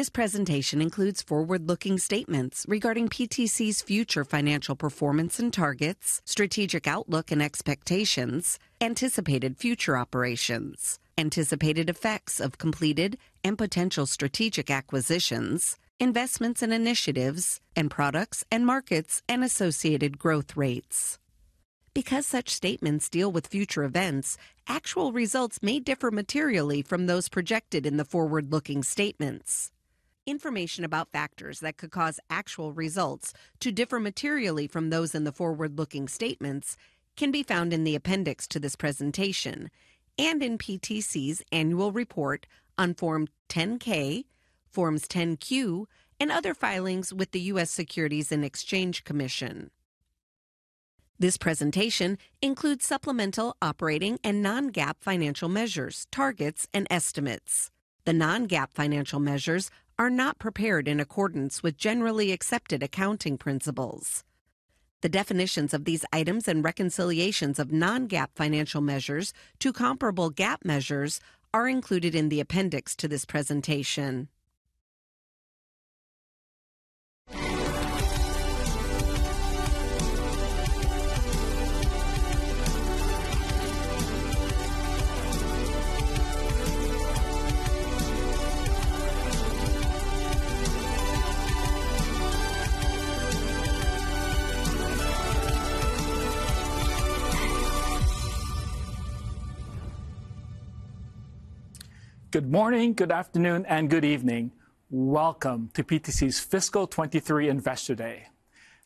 This presentation includes forward-looking statements regarding PTC's future financial performance and targets, strategic outlook and expectations, anticipated future operations, anticipated effects of completed and potential strategic acquisitions, investments and initiatives, and products and markets and associated growth rates. Because such statements deal with future events, actual results may differ materially from those projected in the forward-looking statements. Information about factors that could cause actual results to differ materially from those in the forward-looking statements can be found in the appendix to this presentation and in PTC's annual report on Form 10-K, Forms 10-Q, and other filings with the US Securities and Exchange Commission. This presentation includes supplemental operating and non-GAAP financial measures, targets, and estimates. The non-GAAP financial measures are not prepared in accordance with generally accepted accounting principles. The definitions of these items and reconciliations of non-GAAP financial measures to comparable GAAP measures are included in the appendix to this presentation. Good morning, good afternoon, and good evening. Welcome to PTC's Fiscal 2023 Investor Day.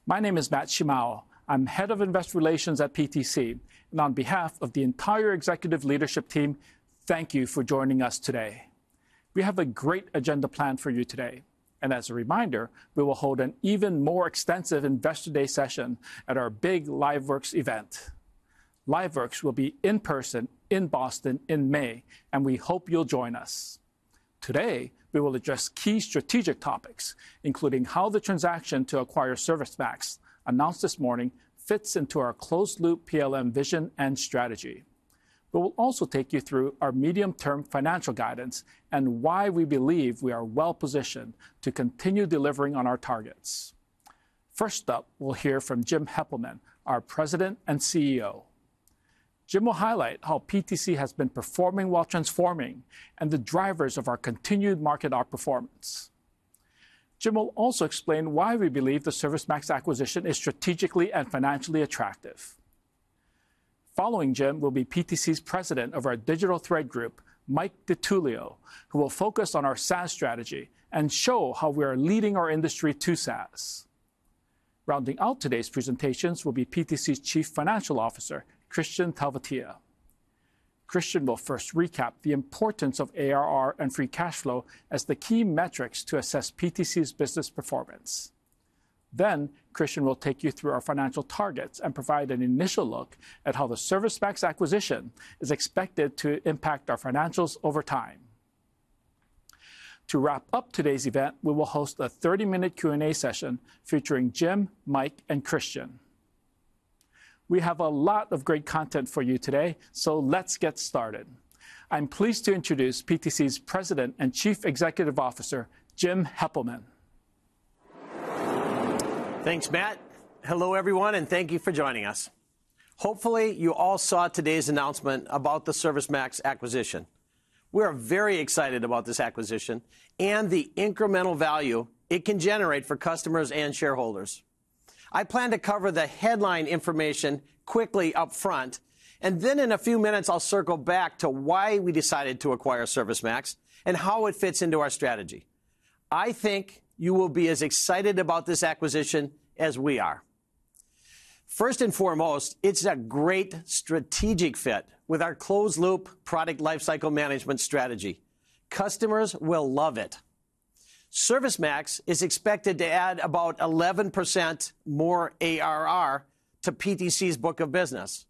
My name is Matt Shimao. I'm Head of Investor Relations at PTC, and on behalf of the entire executive leadership team, thank you for joining us today. We have a great agenda planned for you today. As a reminder, we will hold an even more extensive Investor Day session at our big LiveWorx event. LiveWorx will be in person in Boston in May, and we hope you'll join us. Today, we will address key strategic topics, including how the transaction to acquire ServiceMax, announced this morning, fits into our closed-loop PLM vision and strategy. We'll also take you through our medium-term financial guidance and why we believe we are well-positioned to continue delivering on our targets. First up, we'll hear from Jim Heppelmann, our President and CEO. Jim will highlight how PTC has been performing while transforming and the drivers of our continued market outperformance. Jim will also explain why we believe the ServiceMax acquisition is strategically and financially attractive. Following Jim will be PTC's President of our Digital Thread Group, Michael DiTullio, who will focus on our SaaS strategy and show how we are leading our industry to SaaS. Rounding out today's presentations will be PTC's Chief Financial Officer, Kristian Talvitie. Kristian will first recap the importance of ARR and free cash flow as the key metrics to assess PTC's business performance. Kristian will take you through our financial targets and provide an initial look at how the ServiceMax acquisition is expected to impact our financials over time. To wrap up today's event, we will host a 30-minute Q&A session featuring Jim, Mike, and Kristian. We have a lot of great content for you today, so let's get started. I'm pleased to introduce PTC's President and Chief Executive Officer, Jim Heppelmann. Thanks, Matt. Hello, everyone, and thank you for joining us. Hopefully, you all saw today's announcement about the ServiceMax acquisition. We are very excited about this acquisition and the incremental value it can generate for customers and shareholders. I plan to cover the headline information quickly up front, and then in a few minutes, I'll circle back to why we decided to acquire ServiceMax and how it fits into our strategy. I think you will be as excited about this acquisition as we are. First and foremost, it's a great strategic fit with our closed-loop product lifecycle management strategy. Customers will love it. ServiceMax is expected to add about 11% more ARR to PTC's book of business.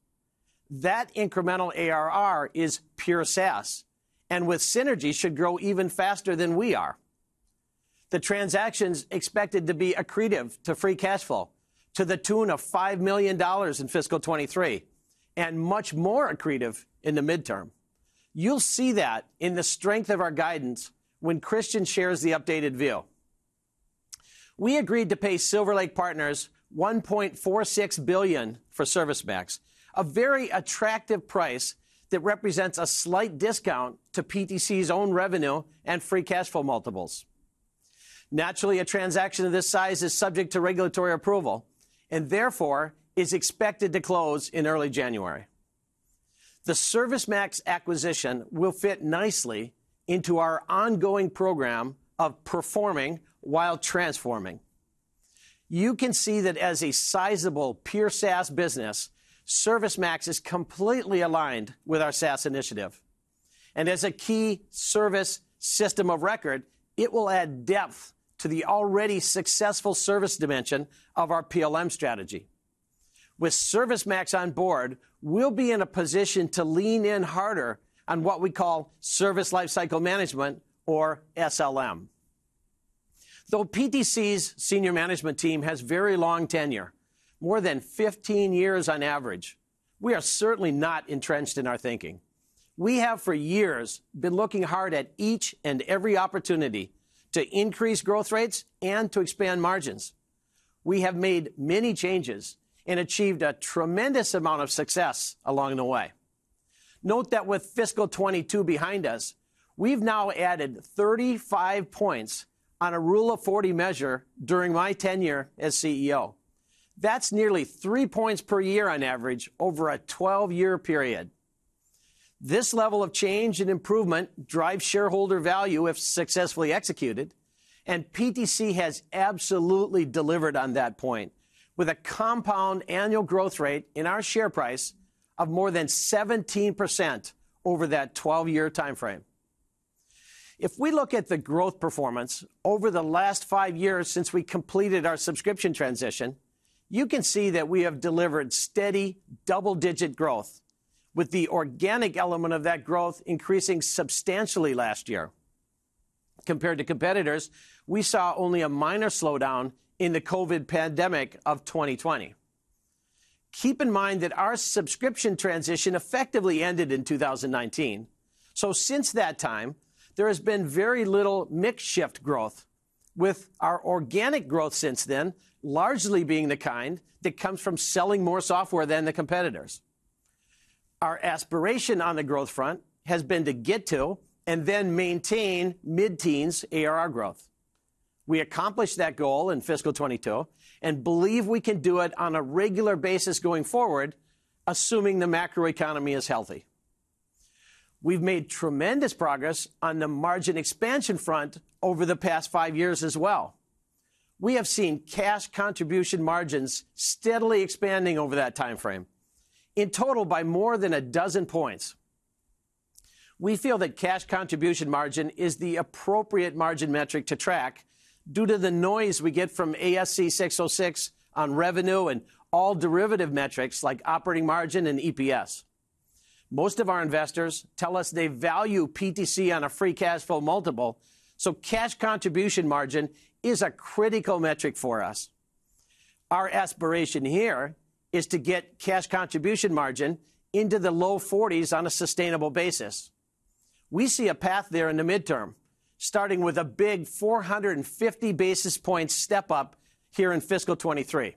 That incremental ARR is pure SaaS, and with synergies should grow even faster than we are. The transaction's expected to be accretive to free cash flow to the tune of $5 million in fiscal 2023, and much more accretive in the midterm. You'll see that in the strength of our guidance when Kristian shares the updated view. We agreed to pay Silver Lake Partners $1.46 billion for ServiceMax, a very attractive price that represents a slight discount to PTC's own revenue and free cash flow multiples. Naturally, a transaction of this size is subject to regulatory approval and therefore is expected to close in early January. The ServiceMax acquisition will fit nicely into our ongoing program of performing while transforming. You can see that as a sizable pure SaaS business, ServiceMax is completely aligned with our SaaS initiative. As a key service system of record, it will add depth to the already successful service dimension of our PLM strategy. With ServiceMax on board, we'll be in a position to lean in harder on what we call service lifecycle management or SLM. Though PTC's senior management team has very long tenure, more than 15 years on average, we are certainly not entrenched in our thinking. We have for years been looking hard at each and every opportunity to increase growth rates and to expand margins. We have made many changes and achieved a tremendous amount of success along the way. Note that with fiscal 2022 behind us, we've now added 35 points on a Rule of 40 measure during my tenure as CEO. That's nearly three points per year on average over a 12-year period. This level of change and improvement drives shareholder value if successfully executed, and PTC has absolutely delivered on that point with a compound annual growth rate in our share price of more than 17% over that 12-year timeframe. If we look at the growth performance over the last five years since we completed our subscription transition, you can see that we have delivered steady double-digit growth with the organic element of that growth increasing substantially last year. Compared to competitors, we saw only a minor slowdown in the COVID pandemic of 2020. Keep in mind that our subscription transition effectively ended in 2019. Since that time, there has been very little mix shift growth with our organic growth since then largely being the kind that comes from selling more software than the competitors. Our aspiration on the growth front has been to get to and then maintain mid-teens ARR growth. We accomplished that goal in fiscal 2022 and believe we can do it on a regular basis going forward, assuming the macroeconomy is healthy. We've made tremendous progress on the margin expansion front over the past five years as well. We have seen cash contribution margins steadily expanding over that timeframe, in total by more than a dozen points. We feel that cash contribution margin is the appropriate margin metric to track due to the noise we get from ASC 606 on revenue and all derivative metrics like operating margin and EPS. Most of our investors tell us they value PTC on a free cash flow multiple, so cash contribution margin is a critical metric for us. Our aspiration here is to get cash contribution margin into the low 40s on a sustainable basis. We see a path there in the midterm, starting with a big 450 basis point step up here in fiscal 2023.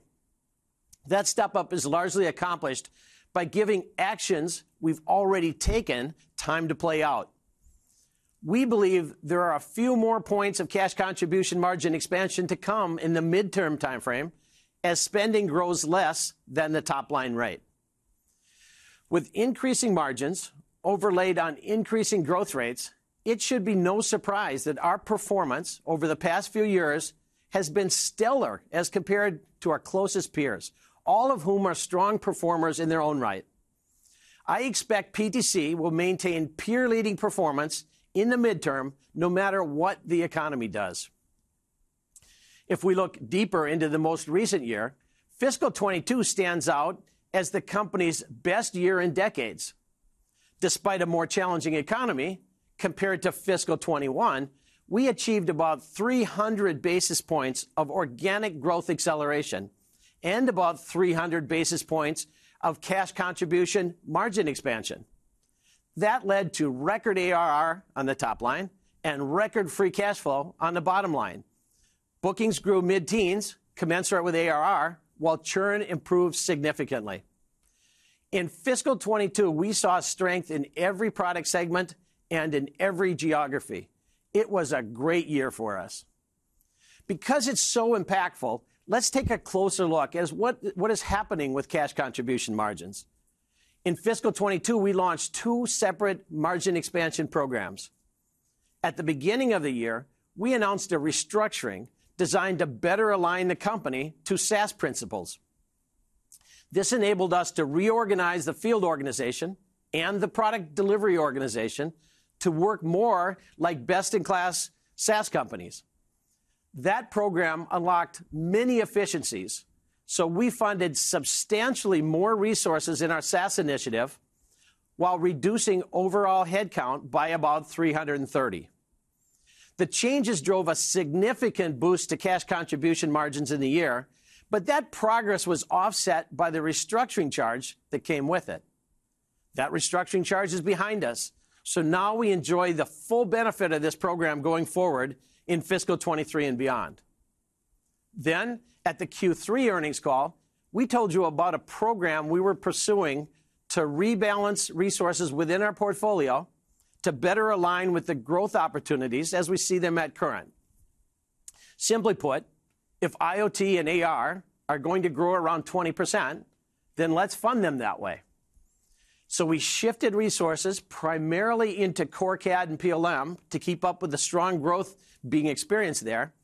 That step up is largely accomplished by giving actions we've already taken time to play out. We believe there are a few more points of cash contribution margin expansion to come in the midterm timeframe as spending grows less than the top-line rate. With increasing margins overlaid on increasing growth rates, it should be no surprise that our performance over the past few years has been stellar as compared to our closest peers, all of whom are strong performers in their own right. I expect PTC will maintain peer-leading performance in the midterm no matter what the economy does. If we look deeper into the most recent year, fiscal 2022 stands out as the company's best year in decades. Despite a more challenging economy compared to fiscal 2021, we achieved about 300 basis points of organic growth acceleration and about 300 basis points of cash contribution margin expansion. That led to record ARR on the top line and record free cash flow on the bottom line. Bookings grew mid-teens, commensurate with ARR, while churn improved significantly. In fiscal 2022, we saw strength in every product segment and in every geography. It was a great year for us. Because it's so impactful, let's take a closer look at what is happening with cash contribution margins. In fiscal 2022, we launched two separate margin expansion programs. At the beginning of the year, we announced a restructuring designed to better align the company to SaaS principles. This enabled us to reorganize the field organization and the product delivery organization to work more like best-in-class SaaS companies. That program unlocked many efficiencies, so we funded substantially more resources in our SaaS initiative while reducing overall headcount by about 330. The changes drove a significant boost to cash contribution margins in the year, but that progress was offset by the restructuring charge that came with it. That restructuring charge is behind us, so now we enjoy the full benefit of this program going forward in fiscal 2023 and beyond. At the Q3 earnings call, we told you about a program we were pursuing to rebalance resources within our portfolio to better align with the growth opportunities as we see them at current. Simply put, if IoT and AR are going to grow around 20%, then let's fund them that way. We shifted resources primarily into Core CAD and PLM to keep up with the strong growth being experienced there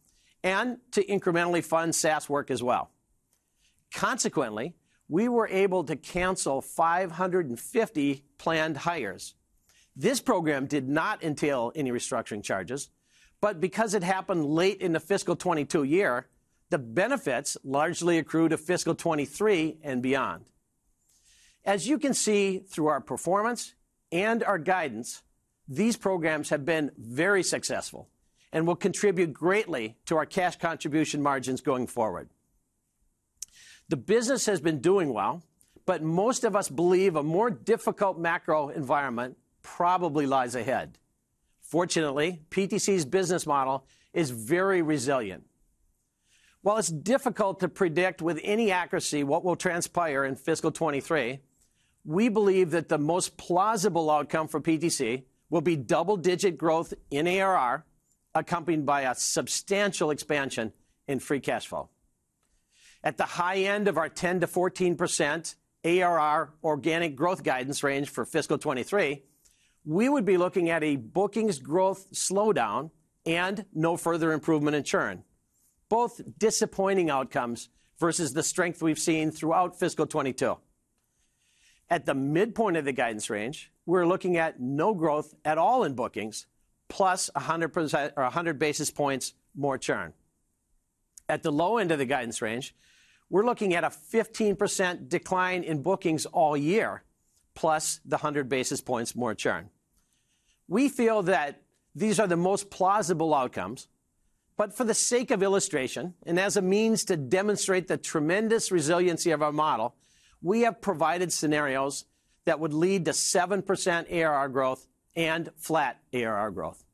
and to incrementally fund SaaS work as well. Consequently, we were able to cancel 550 planned hires. This program did not entail any restructuring charges, but because it happened late in the fiscal 2022 year, the benefits largely accrue to fiscal 2023 and beyond. As you can see through our performance and our guidance, these programs have been very successful and will contribute greatly to our cash contribution margins going forward. The business has been doing well, but most of us believe a more difficult macro environment probably lies ahead. Fortunately, PTC's business model is very resilient. While it's difficult to predict with any accuracy what will transpire in fiscal 2023, we believe that the most plausible outcome for PTC will be double-digit growth in ARR, accompanied by a substantial expansion in free cash flow. At the high end of our 10%-14% ARR organic growth guidance range for fiscal 2023, we would be looking at a bookings growth slowdown and no further improvement in churn, both disappointing outcomes versus the strength we've seen throughout fiscal 2022. At the midpoint of the guidance range, we're looking at no growth at all in bookings plus 100% or 100 basis points more churn. At the low end of the guidance range, we're looking at a 15% decline in bookings all year, plus the 100 basis points more churn. We feel that these are the most plausible outcomes, but for the sake of illustration and as a means to demonstrate the tremendous resiliency of our model, we have provided scenarios that would lead to 7% ARR growth and flat ARR growth.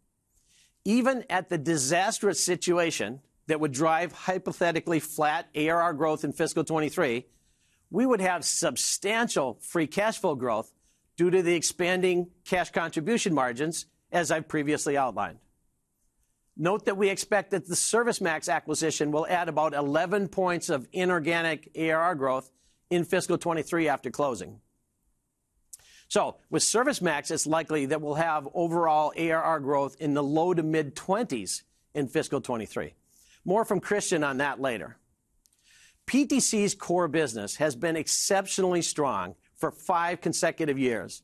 Even at the disastrous situation that would drive hypothetically flat ARR growth in fiscal 2023, we would have substantial free cash flow growth due to the expanding cash contribution margins as I've previously outlined. Note that we expect that the ServiceMax acquisition will add about 11 points of inorganic ARR growth in fiscal 2023 after closing. With ServiceMax, it's likely that we'll have overall ARR growth in the low to mid-20s in fiscal 2023. More from Kristian on that later. PTC's core business has been exceptionally strong for five consecutive years,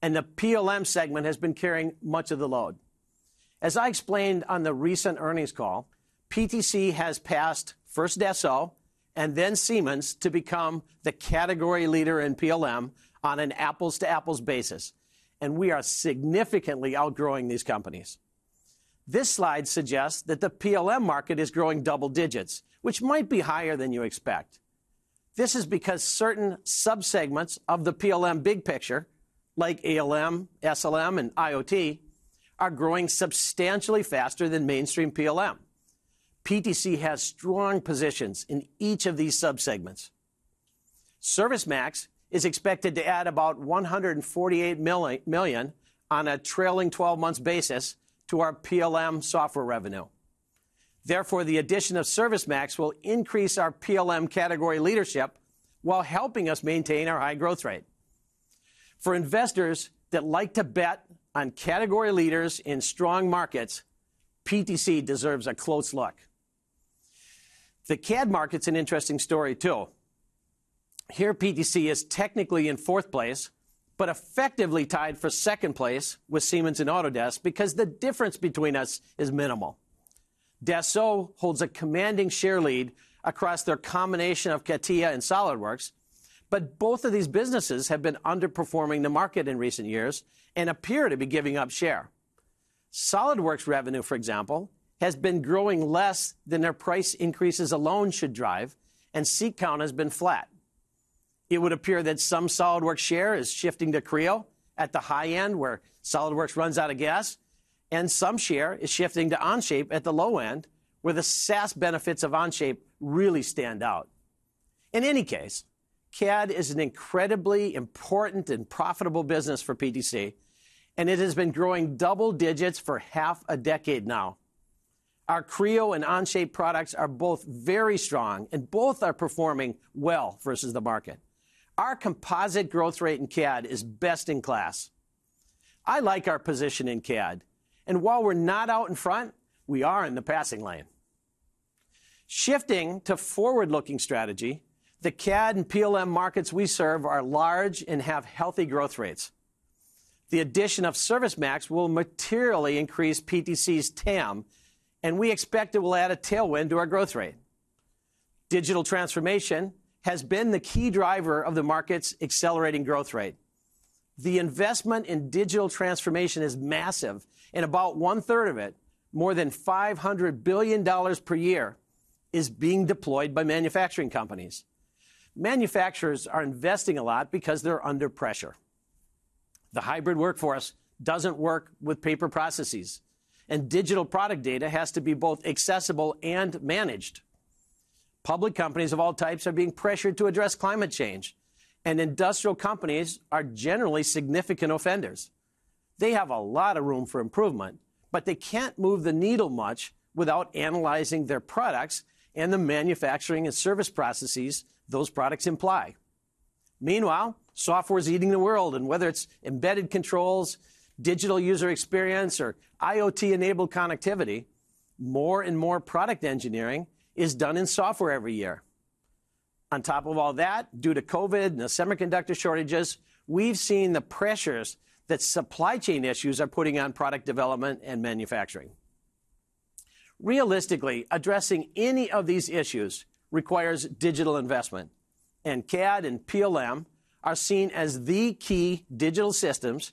and the PLM segment has been carrying much of the load. As I explained on the recent earnings call, PTC has passed first Dassault and then Siemens to become the category leader in PLM on an apples-to-apples basis, and we are significantly outgrowing these companies. This slide suggests that the PLM market is growing double digits, which might be higher than you expect. This is because certain subsegments of the PLM big picture, like ALM, SLM, and IoT, are growing substantially faster than mainstream PLM. PTC has strong positions in each of these subsegments. ServiceMax is expected to add about $148 million on a trailing 12 months basis to our PLM software revenue. Therefore, the addition of ServiceMax will increase our PLM category leadership while helping us maintain our high growth rate. For investors that like to bet on category leaders in strong markets, PTC deserves a close look. The CAD market's an interesting story too. Here, PTC is technically in fourth place, but effectively tied for second place with Siemens and Autodesk because the difference between us is minimal. Dassault holds a commanding share lead across their combination of CATIA and SOLIDWORKS, but both of these businesses have been underperforming the market in recent years and appear to be giving up share. SOLIDWORKS revenue, for example, has been growing less than their price increases alone should drive, and seat count has been flat. It would appear that some SOLIDWORKS share is shifting to Creo at the high end where SOLIDWORKS runs out of gas, and some share is shifting to Onshape at the low end, where the SaaS benefits of Onshape really stand out. In any case, CAD is an incredibly important and profitable business for PTC, and it has been growing double digits for half a decade now. Our Creo and Onshape products are both very strong and both are performing well versus the market. Our composite growth rate in CAD is best in class. I like our position in CAD, and while we're not out in front, we are in the passing lane. Shifting to forward-looking strategy, the CAD and PLM markets we serve are large and have healthy growth rates. The addition of ServiceMax will materially increase PTC's TAM, and we expect it will add a tailwind to our growth rate. Digital transformation has been the key driver of the market's accelerating growth rate. The investment in digital transformation is massive, and about 1/3 of it, more than $500 billion per year, is being deployed by manufacturing companies. Manufacturers are investing a lot because they're under pressure. The hybrid workforce doesn't work with paper processes, and digital product data has to be both accessible and managed. Public companies of all types are being pressured to address climate change, and industrial companies are generally significant offenders. They have a lot of room for improvement, but they can't move the needle much without analyzing their products and the manufacturing and service processes those products imply. Meanwhile, software is eating the world, and whether it's embedded controls, digital user experience, or IoT-enabled connectivity, more and more product engineering is done in software every year. On top of all that, due to COVID and the semiconductor shortages, we've seen the pressures that supply chain issues are putting on product development and manufacturing. Realistically, addressing any of these issues requires digital investment, and CAD and PLM are seen as the key digital systems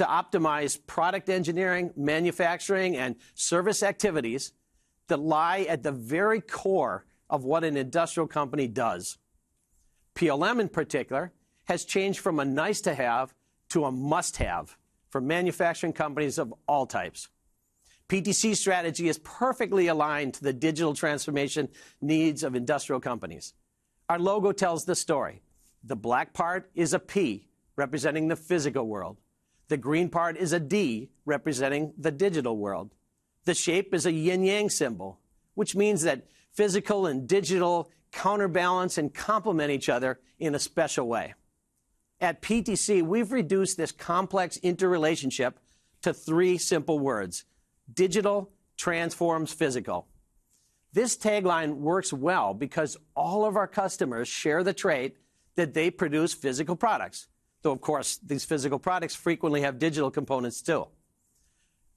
to optimize product engineering, manufacturing, and service activities that lie at the very core of what an industrial company does. PLM, in particular, has changed from a nice-to-have to a must-have for manufacturing companies of all types. PTC's strategy is perfectly aligned to the digital transformation needs of industrial companies. Our logo tells the story. The black part is a P, representing the physical world. The green part is a D, representing the digital world. The shape is a yin-yang symbol, which means that physical and digital counterbalance and complement each other in a special way. At PTC, we've reduced this complex interrelationship to three simple words, digital transforms physical. This tagline works well because all of our customers share the trait that they produce physical products, though of course, these physical products frequently have digital components too.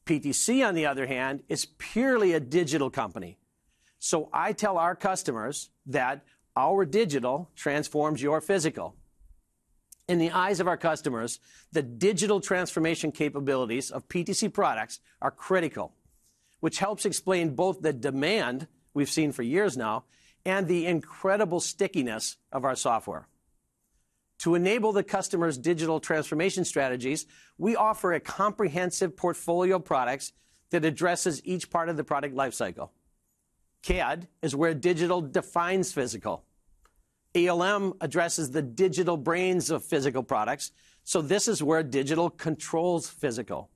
PTC, on the other hand, is purely a digital company, so I tell our customers that our digital transforms your physical. In the eyes of our customers, the digital transformation capabilities of PTC products are critical, which helps explain both the demand we've seen for years now and the incredible stickiness of our software. To enable the customer's digital transformation strategies, we offer a comprehensive portfolio of products that addresses each part of the product lifecycle. CAD is where digital defines physical. ALM addresses the digital brains of physical products, so this is where digital controls physical.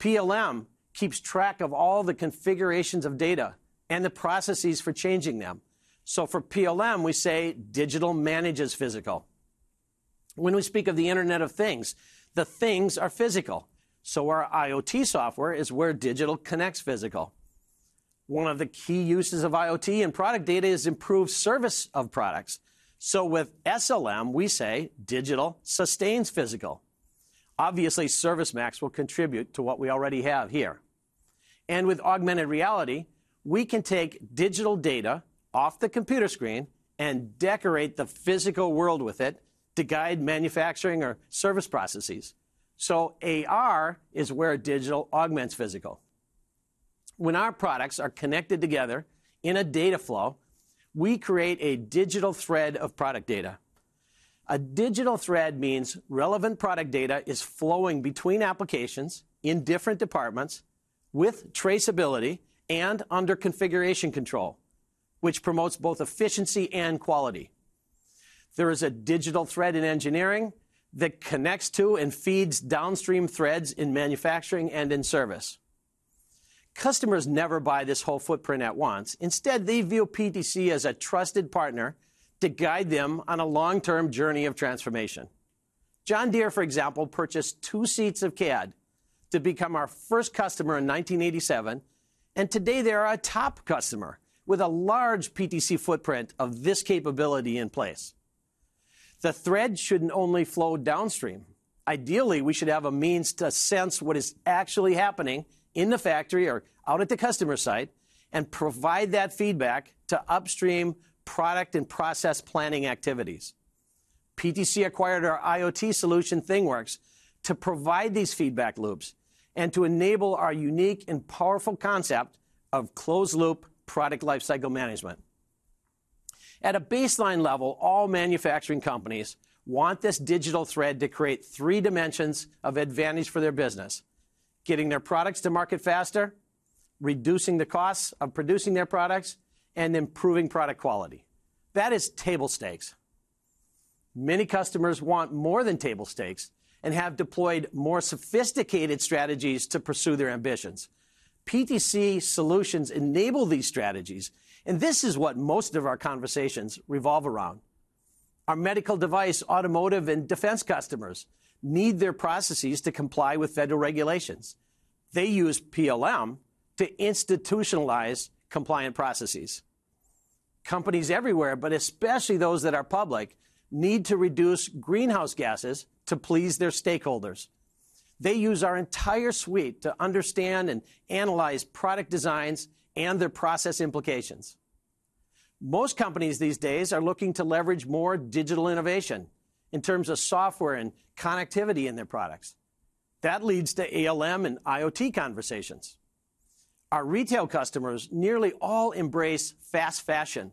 PLM keeps track of all the configurations of data and the processes for changing them. For PLM, we say digital manages physical. When we speak of the Internet of Things, the things are physical, so our IoT software is where digital connects physical. One of the key uses of IoT and product data is improved service of products. With SLM, we say digital sustains physical. Obviously, ServiceMax will contribute to what we already have here. With augmented reality, we can take digital data off the computer screen and decorate the physical world with it to guide manufacturing or service processes. AR is where digital augments physical. When our products are connected together in a data flow, we create a digital thread of product data. A digital thread means relevant product data is flowing between applications in different departments with traceability and under configuration control, which promotes both efficiency and quality. There is a digital thread in engineering that connects to and feeds downstream threads in manufacturing and in service. Customers never buy this whole footprint at once. Instead, they view PTC as a trusted partner to guide them on a long-term journey of transformation. John Deere, for example, purchased two seats of CAD to become our first customer in nineteen eighty-seven, and today they are a top customer with a large PTC footprint of this capability in place. The thread shouldn't only flow downstream. Ideally, we should have a means to sense what is actually happening in the factory or out at the customer site and provide that feedback to upstream product and process planning activities. PTC acquired our IoT solution, ThingWorx, to provide these feedback loops and to enable our unique and powerful concept of closed-loop product lifecycle management. At a baseline level, all manufacturing companies want this digital thread to create three dimensions of advantage for their business, getting their products to market faster, reducing the costs of producing their products, and improving product quality. That is table stakes. Many customers want more than table stakes and have deployed more sophisticated strategies to pursue their ambitions. PTC solutions enable these strategies, and this is what most of our conversations revolve around. Our medical device, automotive, and defense customers need their processes to comply with federal regulations. They use PLM to institutionalize compliant processes. Companies everywhere, but especially those that are public, need to reduce greenhouse gases to please their stakeholders. They use our entire suite to understand and analyze product designs and their process implications. Most companies these days are looking to leverage more digital innovation in terms of software and connectivity in their products. That leads to ALM and IoT conversations. Our retail customers nearly all embrace fast fashion,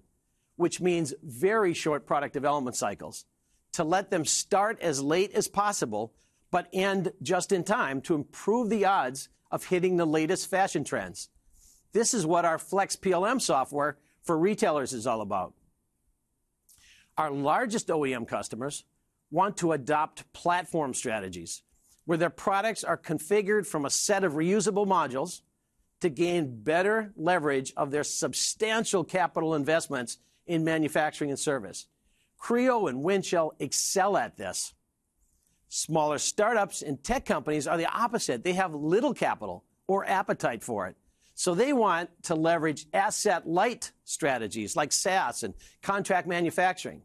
which means very short product development cycles to let them start as late as possible, but end just in time to improve the odds of hitting the latest fashion trends. This is what our FlexPLM software for retailers is all about. Our largest OEM customers want to adopt platform strategies where their products are configured from a set of reusable modules to gain better leverage of their substantial capital investments in manufacturing and service. Creo and Windchill excel at this. Smaller startups and tech companies are the opposite. They have little capital or appetite for it, so they want to leverage asset-light strategies like SaaS and contract manufacturing.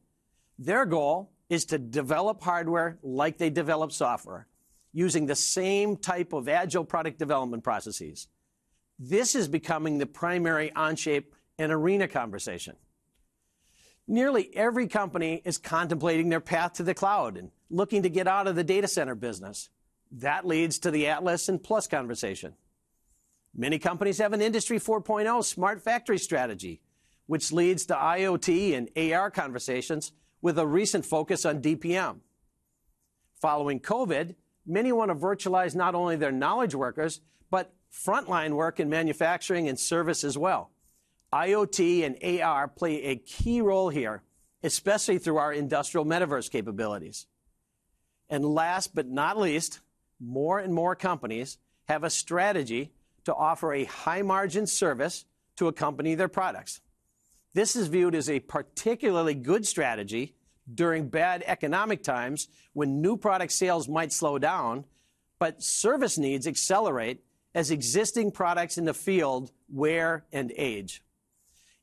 Their goal is to develop hardware like they develop software using the same type of agile product development processes. This is becoming the primary Onshape and Arena conversation. Nearly every company is contemplating their path to the cloud and looking to get out of the data center business. That leads to the Atlas and Plus conversation. Many companies have an Industry 4.0 smart factory strategy, which leads to IoT and AR conversations with a recent focus on DPM. Following COVID, many want to virtualize not only their knowledge workers, but frontline work in manufacturing and service as well. IoT and AR play a key role here, especially through our industrial metaverse capabilities. Last but not least, more and more companies have a strategy to offer a high-margin service to accompany their products. This is viewed as a particularly good strategy during bad economic times when new product sales might slow down, but service needs accelerate as existing products in the field wear and age.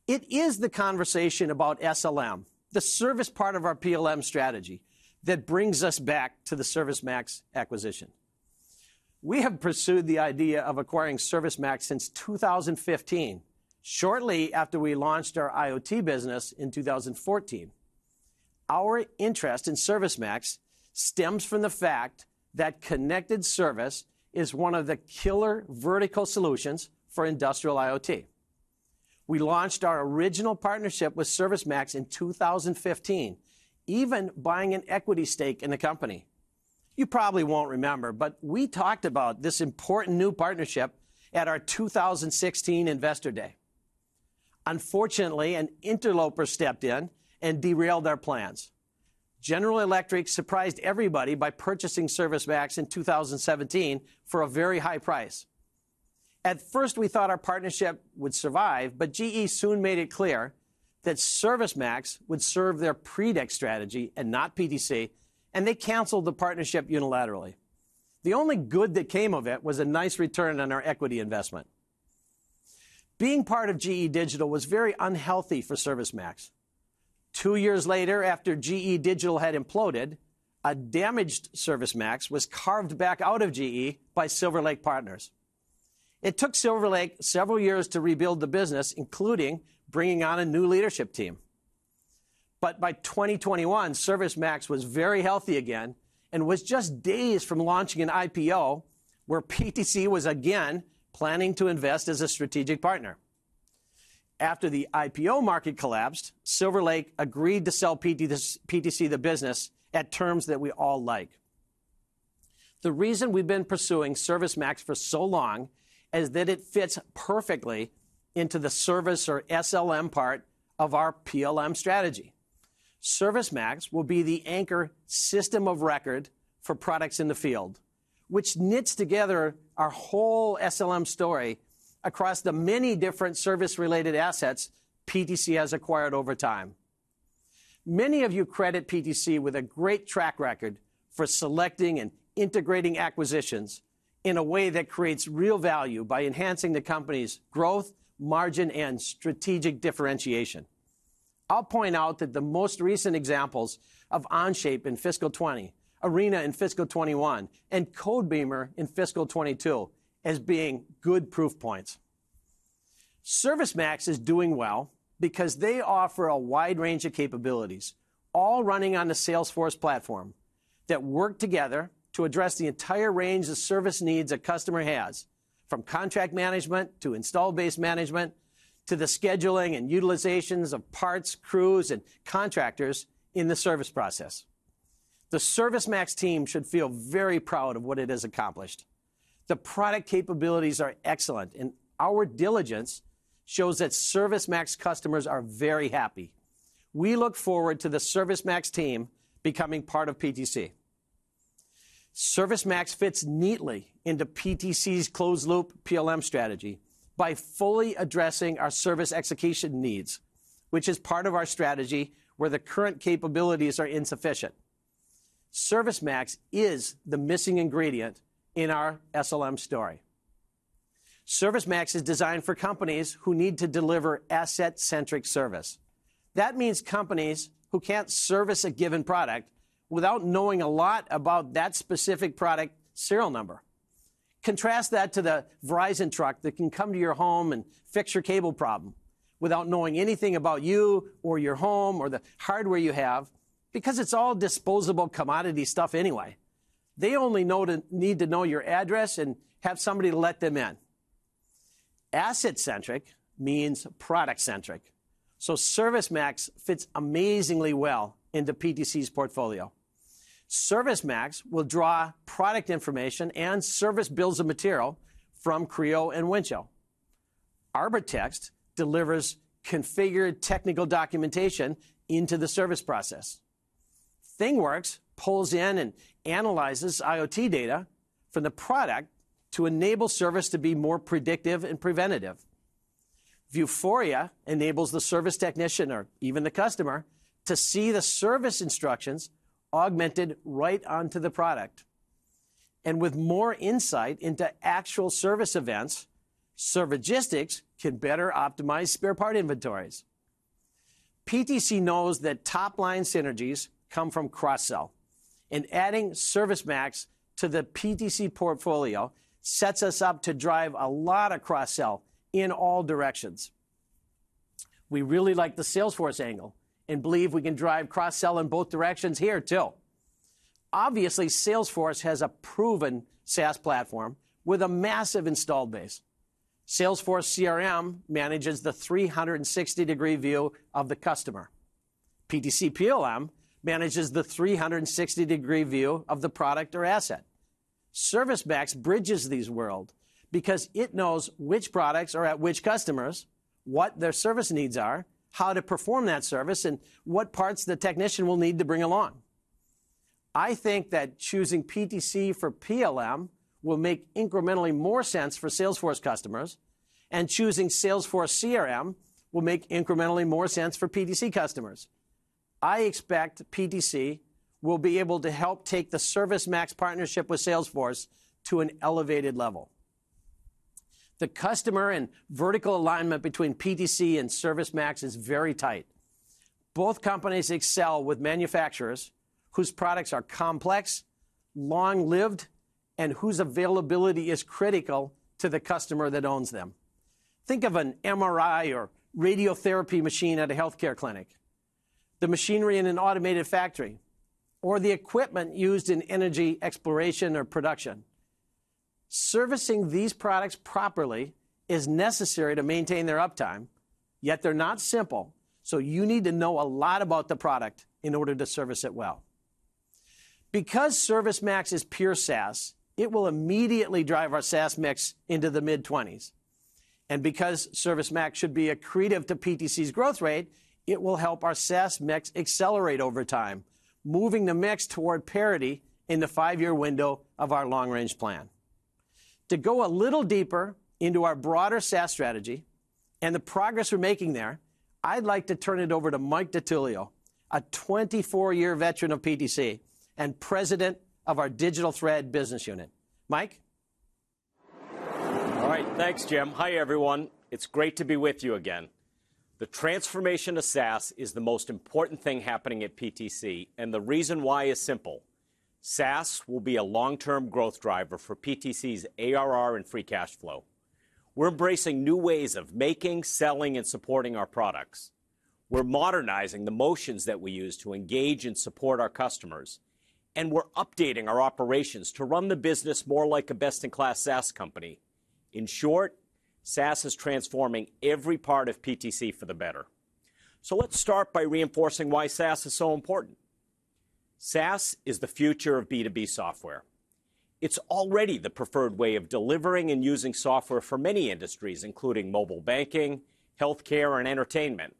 It is the conversation about SLM, the service part of our PLM strategy, that brings us back to the ServiceMax acquisition. We have pursued the idea of acquiring ServiceMax since 2015, shortly after we launched our IoT business in 2014. Our interest in ServiceMax stems from the fact that connected service is one of the killer vertical solutions for industrial IoT. We launched our original partnership with ServiceMax in 2015, even buying an equity stake in the company. You probably won't remember, but we talked about this important new partnership at our 2016 Investor Day. Unfortunately, an interloper stepped in and derailed our plans. General Electric surprised everybody by purchasing ServiceMax in 2017 for a very high price. At first, we thought our partnership would survive, but GE soon made it clear that ServiceMax would serve their Predix strategy and not PTC, and they canceled the partnership unilaterally. The only good that came of it was a nice return on our equity investment. Being part of GE Digital was very unhealthy for ServiceMax. Two years later, after GE Digital had imploded, a damaged ServiceMax was carved back out of GE by Silver Lake Partners. It took Silver Lake several years to rebuild the business, including bringing on a new leadership team. By 2021, ServiceMax was very healthy again and was just days from launching an IPO where PTC was again planning to invest as a strategic partner. After the IPO market collapsed, Silver Lake agreed to sell PTC the business at terms that we all like. The reason we've been pursuing ServiceMax for so long is that it fits perfectly into the service or SLM part of our PLM strategy. ServiceMax will be the anchor system of record for products in the field, which knits together our whole SLM story across the many different service-related assets PTC has acquired over time. Many of you credit PTC with a great track record for selecting and integrating acquisitions in a way that creates real value by enhancing the company's growth, margin, and strategic differentiation. I'll point out that the most recent examples of Onshape in fiscal 2020, Arena in fiscal 2021, and Codebeamer in fiscal 2022 as being good proof points. ServiceMax is doing well because they offer a wide range of capabilities, all running on the Salesforce platform, that work together to address the entire range of service needs a customer has, from contract management to installed-base management to the scheduling and utilizations of parts, crews, and contractors in the service process. The ServiceMax team should feel very proud of what it has accomplished. The product capabilities are excellent, and our diligence shows that ServiceMax customers are very happy. We look forward to the ServiceMax team becoming part of PTC. ServiceMax fits neatly into PTC's closed-loop PLM strategy by fully addressing our service execution needs, which is part of our strategy where the current capabilities are insufficient. ServiceMax is the missing ingredient in our SLM story. ServiceMax is designed for companies who need to deliver asset-centric service. That means companies who can't service a given product without knowing a lot about that specific product serial number. Contrast that to the Verizon truck that can come to your home and fix your cable problem without knowing anything about you or your home or the hardware you have because it's all disposable commodity stuff anyway. They only need to know your address and have somebody let them in. Asset-centric means product-centric, so ServiceMax fits amazingly well into PTC's portfolio. ServiceMax will draw product information and service bills of material from Creo and Windchill. Arbortext delivers configured technical documentation into the service process. ThingWorx pulls in and analyzes IoT data from the product to enable service to be more predictive and preventative. Vuforia enables the service technician or even the customer to see the service instructions augmented right onto the product. With more insight into actual service events, Servigistics can better optimize spare part inventories. PTC knows that top-line synergies come from cross-sell, and adding ServiceMax to the PTC portfolio sets us up to drive a lot of cross-sell in all directions. We really like the Salesforce angle and believe we can drive cross-sell in both directions here too. Obviously, Salesforce has a proven SaaS platform with a massive installed base. Salesforce CRM manages the 360-degree view of the customer. PTC PLM manages the 360-degree view of the product or asset. ServiceMax bridges these worlds because it knows which products are at which customers, what their service needs are, how to perform that service, and what parts the technician will need to bring along. I think that choosing PTC for PLM will make incrementally more sense for Salesforce customers, and choosing Salesforce CRM will make incrementally more sense for PTC customers. I expect PTC will be able to help take the ServiceMax partnership with Salesforce to an elevated level. The customer and vertical alignment between PTC and ServiceMax is very tight. Both companies excel with manufacturers whose products are complex, long-lived, and whose availability is critical to the customer that owns them. Think of an MRI or radiotherapy machine at a healthcare clinic, the machinery in an automated factory, or the equipment used in energy exploration or production. Servicing these products properly is necessary to maintain their uptime, yet they're not simple, so you need to know a lot about the product in order to service it well. Because ServiceMax is pure SaaS, it will immediately drive our SaaS mix into the mid-20s. Because ServiceMax should be accretive to PTC's growth rate, it will help our SaaS mix accelerate over time, moving the mix toward parity in the five-year window of our long-range plan. To go a little deeper into our broader SaaS strategy and the progress we're making there, I'd like to turn it over to Michael DiTullio, a 24-year veteran of PTC and President of our Digital Thread business unit. Michael. All right. Thanks, Jim. Hi, everyone. It's great to be with you again. The transformation to SaaS is the most important thing happening at PTC, and the reason why is simple. SaaS will be a long-term growth driver for PTC's ARR and free cash flow. We're embracing new ways of making, selling, and supporting our products. We're modernizing the motions that we use to engage and support our customers, and we're updating our operations to run the business more like a best-in-class SaaS company. In short, SaaS is transforming every part of PTC for the better. Let's start by reinforcing why SaaS is so important. SaaS is the future of B2B software. It's already the preferred way of delivering and using software for many industries, including mobile banking, healthcare, and entertainment.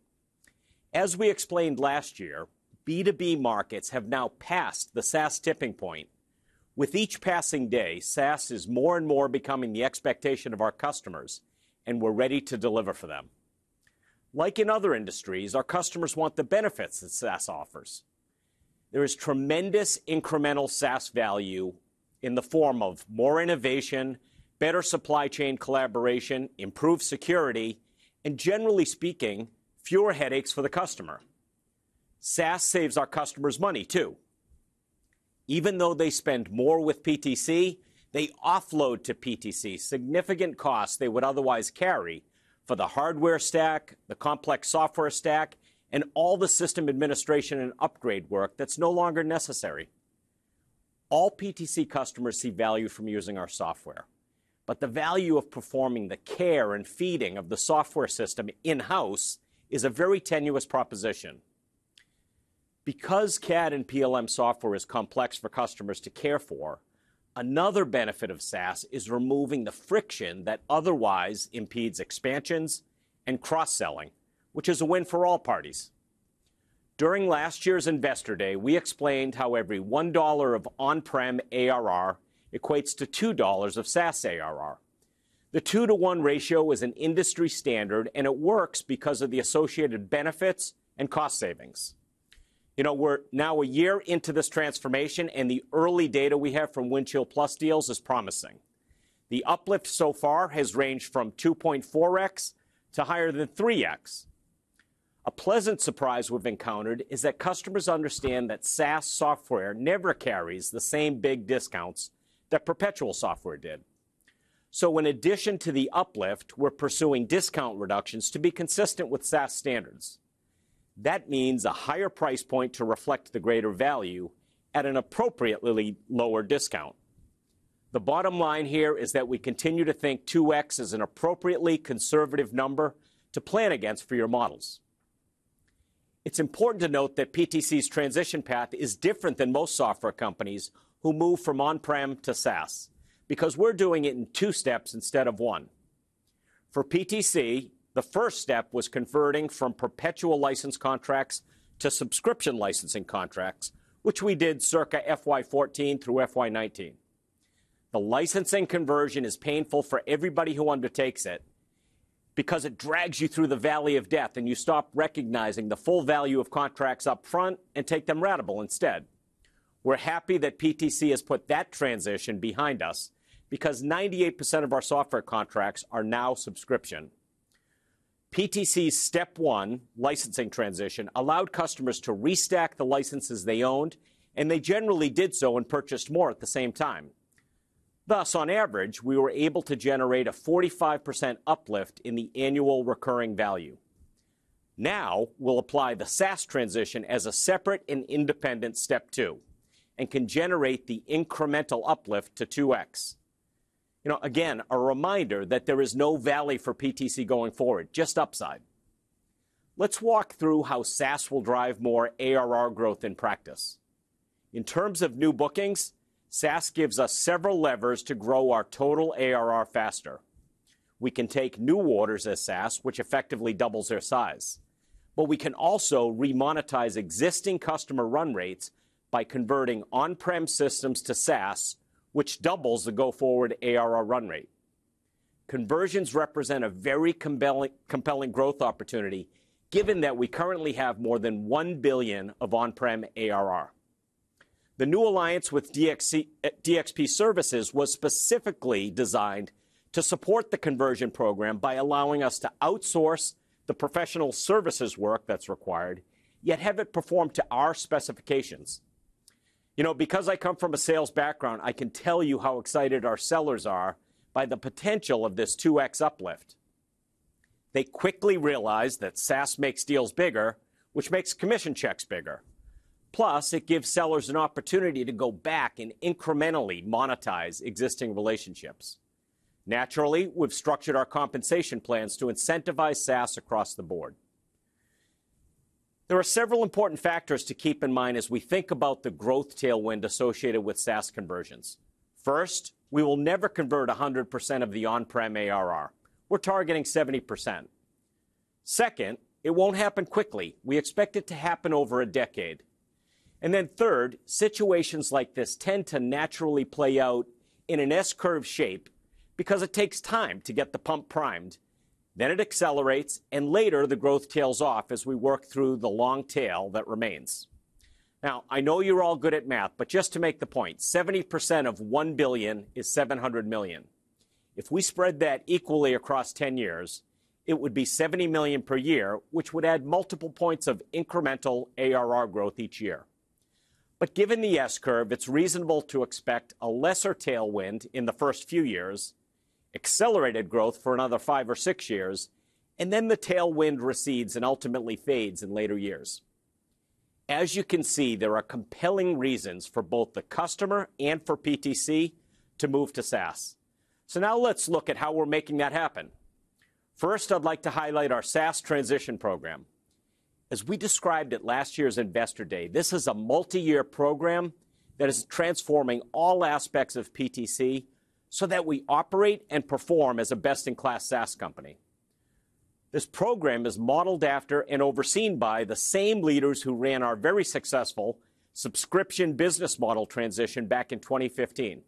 As we explained last year, B2B markets have now passed the SaaS tipping point. With each passing day, SaaS is more and more becoming the expectation of our customers, and we're ready to deliver for them. Like in other industries, our customers want the benefits that SaaS offers. There is tremendous incremental SaaS value in the form of more innovation, better supply chain collaboration, improved security, and generally speaking, fewer headaches for the customer. SaaS saves our customers money too. Even though they spend more with PTC, they offload to PTC significant costs they would otherwise carry for the hardware stack, the complex software stack, and all the system administration and upgrade work that's no longer necessary. All PTC customers see value from using our software, but the value of performing the care and feeding of the software system in-house is a very tenuous proposition. Because CAD and PLM software is complex for customers to care for, another benefit of SaaS is removing the friction that otherwise impedes expansions and cross-selling, which is a win for all parties. During last year's Investor Day, we explained how every $1 of on-prem ARR equates to $2 of SaaS ARR. The 2:1 ratio is an industry standard, and it works because of the associated benefits and cost savings. You know, we're now a year into this transformation, and the early data we have from Windchill+ deals is promising. The uplift so far has ranged from 2.4x to higher than 3x. A pleasant surprise we've encountered is that customers understand that SaaS software never carries the same big discounts that perpetual software did. In addition to the uplift, we're pursuing discount reductions to be consistent with SaaS standards. That means a higher price point to reflect the greater value at an appropriately lower discount. The bottom line here is that we continue to think 2x is an appropriately conservative number to plan against for your models. It's important to note that PTC's transition path is different than most software companies who move from on-prem to SaaS because we're doing it in two steps instead of one. For PTC, the first step was converting from perpetual license contracts to subscription licensing contracts, which we did circa FY 2014 through FY 2019. The licensing conversion is painful for everybody who undertakes it because it drags you through the valley of death and you stop recognizing the full value of contracts up front and take them ratable instead. We're happy that PTC has put that transition behind us because 98% of our software contracts are now subscription. PTC's step one licensing transition allowed customers to restack the licenses they owned, and they generally did so and purchased more at the same time. Thus, on average, we were able to generate a 45% uplift in the annual recurring value. Now we'll apply the SaaS transition as a separate and independent step two and can generate the incremental uplift to 2x. You know, again, a reminder that there is no valley for PTC going forward, just upside. Let's walk through how SaaS will drive more ARR growth in practice. In terms of new bookings, SaaS gives us several levers to grow our total ARR faster. We can take new orders as SaaS, which effectively doubles their size. We can also remonetize existing customer run rates by converting on-prem systems to SaaS, which doubles the go forward ARR run rate. Conversions represent a very compelling growth opportunity given that we currently have more than $1 billion of on-prem ARR. The new alliance with DxP Services was specifically designed to support the conversion program by allowing us to outsource the professional services work that's required, yet have it performed to our specifications. You know, because I come from a sales background, I can tell you how excited our sellers are by the potential of this 2x uplift. They quickly realize that SaaS makes deals bigger, which makes commission checks bigger. Plus, it gives sellers an opportunity to go back and incrementally monetize existing relationships. Naturally, we've structured our compensation plans to incentivize SaaS across the board. There are several important factors to keep in mind as we think about the growth tailwind associated with SaaS conversions. First, we will never convert 100% of the on-prem ARR. We're targeting 70%. Second, it won't happen quickly. We expect it to happen over a decade. Third, situations like this tend to naturally play out in an S-curve shape because it takes time to get the pump primed. It accelerates, and later the growth tails off as we work through the long tail that remains. Now I know you're all good at math, but just to make the point, 70% of $1 billion is $700 million. If we spread that equally across 10 years, it would be $70 million per year, which would add multiple points of incremental ARR growth each year. Given the S-curve, it's reasonable to expect a lesser tailwind in the first few years, accelerated growth for another five or six years, and then the tailwind recedes and ultimately fades in later years. As you can see, there are compelling reasons for both the customer and for PTC to move to SaaS. Now let's look at how we're making that happen. First, I'd like to highlight our SaaS transition program. As we described at last year's Investor Day, this is a multi-year program that is transforming all aspects of PTC so that we operate and perform as a best-in-class SaaS company. This program is modeled after and overseen by the same leaders who ran our very successful subscription business model transition back in 2015.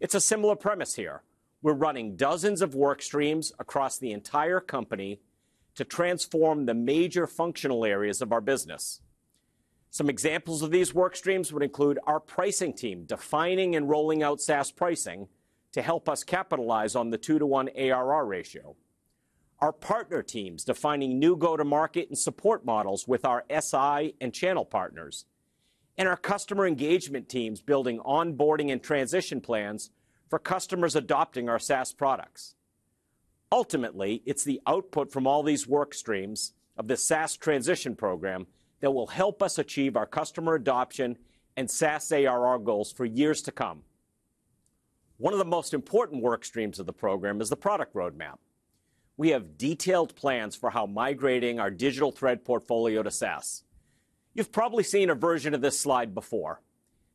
It's a similar premise here. We're running dozens of work streams across the entire company to transform the major functional areas of our business. Some examples of these work streams would include our pricing team defining and rolling out SaaS pricing to help us capitalize on the 2:1 ARR ratio. Our partner teams defining new go-to-market and support models with our S.I. and channel partners. Our customer engagement teams building onboarding and transition plans for customers adopting our SaaS products. Ultimately, it's the output from all these work streams of the SaaS transition program that will help us achieve our customer adoption and SaaS ARR goals for years to come. One of the most important work streams of the program is the product roadmap. We have detailed plans for how migrating our digital thread portfolio to SaaS. You've probably seen a version of this slide before.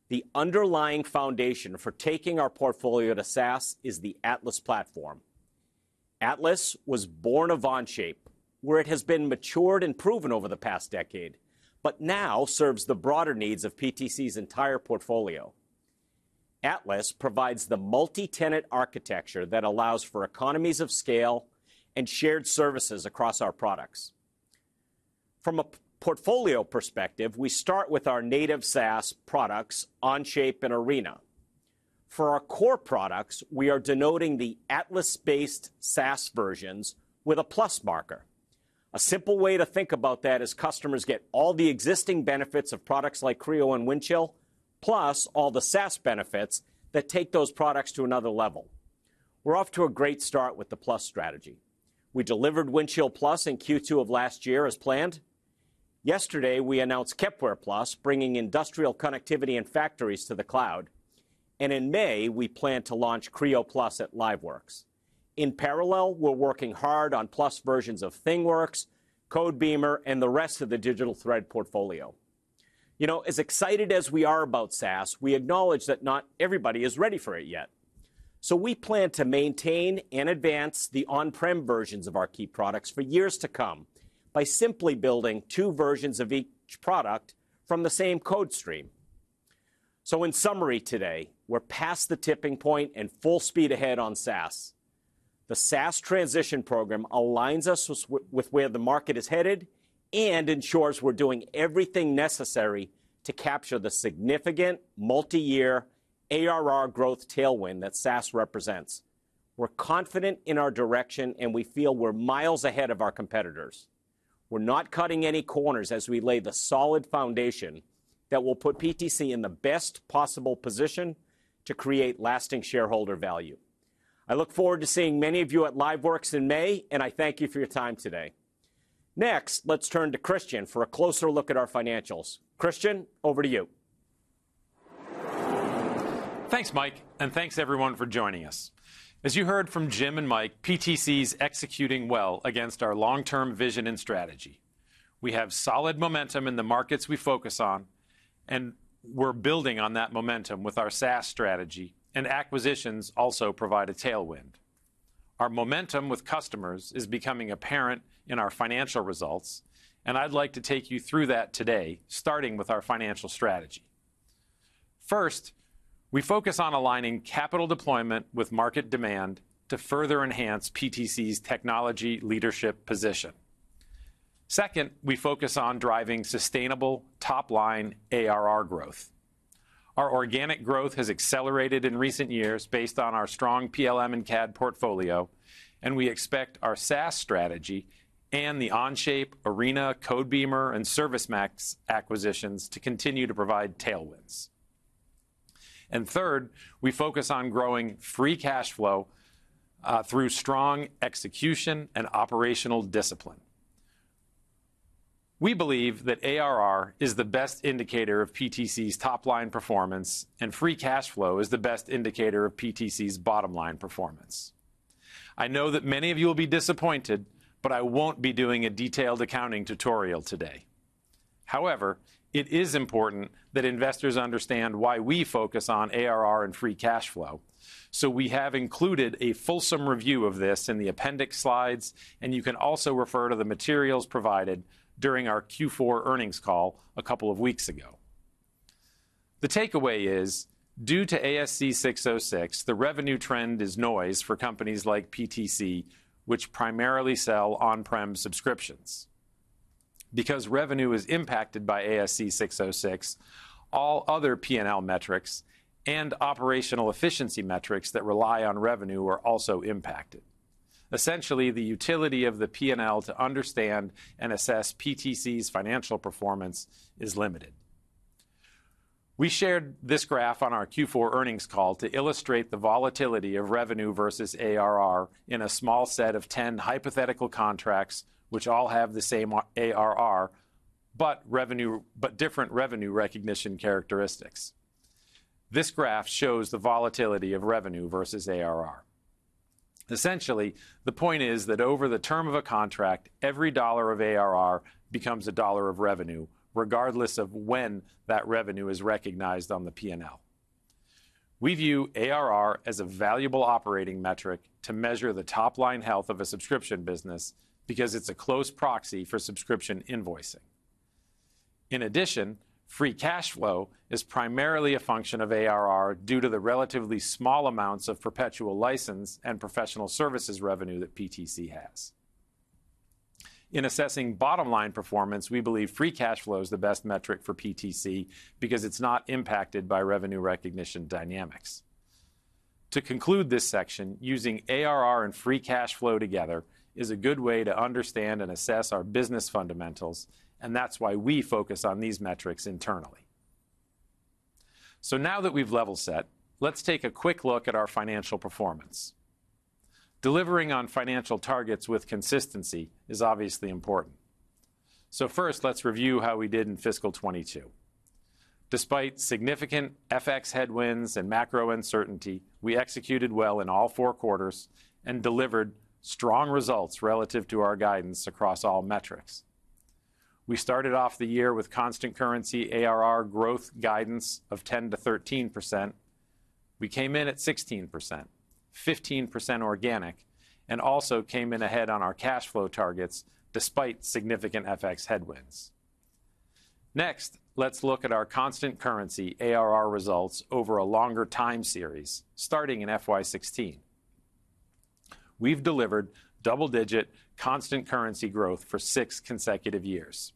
The underlying foundation for taking our portfolio to SaaS is the Atlas platform. Atlas was born of Onshape, where it has been matured and proven over the past decade, but now serves the broader needs of PTC's entire portfolio. Atlas provides the multi-tenant architecture that allows for economies of scale and shared services across our products. From a portfolio perspective, we start with our native SaaS products, Onshape and Arena. For our core products, we are denoting the Atlas-based SaaS versions with a plus marker. A simple way to think about that is customers get all the existing benefits of products like Creo and Windchill, plus all the SaaS benefits that take those products to another level. We're off to a great start with the plus strategy. We delivered Windchill Plus in Q2 of last year as planned. Yesterday, we announced Kepware Plus, bringing industrial connectivity and factories to the cloud. In May, we plan to launch Creo Plus at LiveWorx. In parallel, we're working hard on plus versions of ThingWorx, Codebeamer, and the rest of the digital thread portfolio. You know, as excited as we are about SaaS, we acknowledge that not everybody is ready for it yet. We plan to maintain and advance the on-prem versions of our key products for years to come by simply building two versions of each product from the same code stream. In summary today, we're past the tipping point and full speed ahead on SaaS. The SaaS transition program aligns us with where the market is headed and ensures we're doing everything necessary to capture the significant multi-year ARR growth tailwind that SaaS represents. We're confident in our direction, and we feel we're miles ahead of our competitors. We're not cutting any corners as we lay the solid foundation that will put PTC in the best possible position to create lasting shareholder value. I look forward to seeing many of you at LiveWorx in May, and I thank you for your time today. Next, let's turn to Kristian for a closer look at our financials. Kristian, over to you. Thanks, Mike, and thanks everyone for joining us. As you heard from Jim and Mike, PTC's executing well against our long-term vision and strategy. We have solid momentum in the markets we focus on, and we're building on that momentum with our SaaS strategy, and acquisitions also provide a tailwind. Our momentum with customers is becoming apparent in our financial results, and I'd like to take you through that today, starting with our financial strategy. First, we focus on aligning capital deployment with market demand to further enhance PTC's technology leadership position. Second, we focus on driving sustainable top-line ARR growth. Our organic growth has accelerated in recent years based on our strong PLM and CAD portfolio, and we expect our SaaS strategy and the Onshape, Arena, Codebeamer, and ServiceMax acquisitions to continue to provide tailwinds. And third, we focus on growing free cash flow, uh, through strong execution and operational discipline. We believe that ARR is the best indicator of PTC's top-line performance, and free cash flow is the best indicator of PTC's bottom-line performance. I know that many of you will be disappointed, but I won't be doing a detailed accounting tutorial today. However, it is important that investors understand why we focus on ARR and free cash flow. So we have included a fulsome review of this in the appendix slides, and you can also refer to the materials provided during our Q4 earnings call a couple of weeks ago. The takeaway is, due to ASC 606, the revenue trend is noise for companies like PTC, which primarily sell on-prem subscriptions. Because revenue is impacted by ASC 606, all other P&L metrics and operational efficiency metrics that rely on revenue are also impacted. Essentially, the utility of the P&L to understand and assess PTC's financial performance is limited. We shared this graph on our Q4 earnings call to illustrate the volatility of revenue versus ARR in a small set of 10 hypothetical contracts which all have the same ARR, but different revenue recognition characteristics. This graph shows the volatility of revenue versus ARR. Essentially, the point is that over the term of a contract, every dollar of ARR becomes a dollar of revenue, regardless of when that revenue is recognized on the P&L. We view ARR as a valuable operating metric to measure the top-line health of a subscription business because it's a close proxy for subscription invoicing. In addition, free cash flow is primarily a function of ARR due to the relatively small amounts of perpetual license and professional services revenue that PTC has. In assessing bottom-line performance, we believe free cash flow is the best metric for PTC because it's not impacted by revenue recognition dynamics. To conclude this section, using ARR and free cash flow together is a good way to understand and assess our business fundamentals, and that's why we focus on these metrics internally. Now that we've level-set, let's take a quick look at our financial performance. Delivering on financial targets with consistency is obviously important. First, let's review how we did in fiscal 2022. Despite significant FX headwinds and macro uncertainty, we executed well in all four quarters and delivered strong results relative to our guidance across all metrics. We started off the year with constant-currency ARR growth guidance of 10%-13%. We came in at 16%, 15% organic, and also came in ahead on our cash flow targets despite significant FX headwinds. Next, let's look at our constant currency ARR results over a longer time series, starting in FY 2016. We've delivered double-digit constant currency growth for six consecutive years.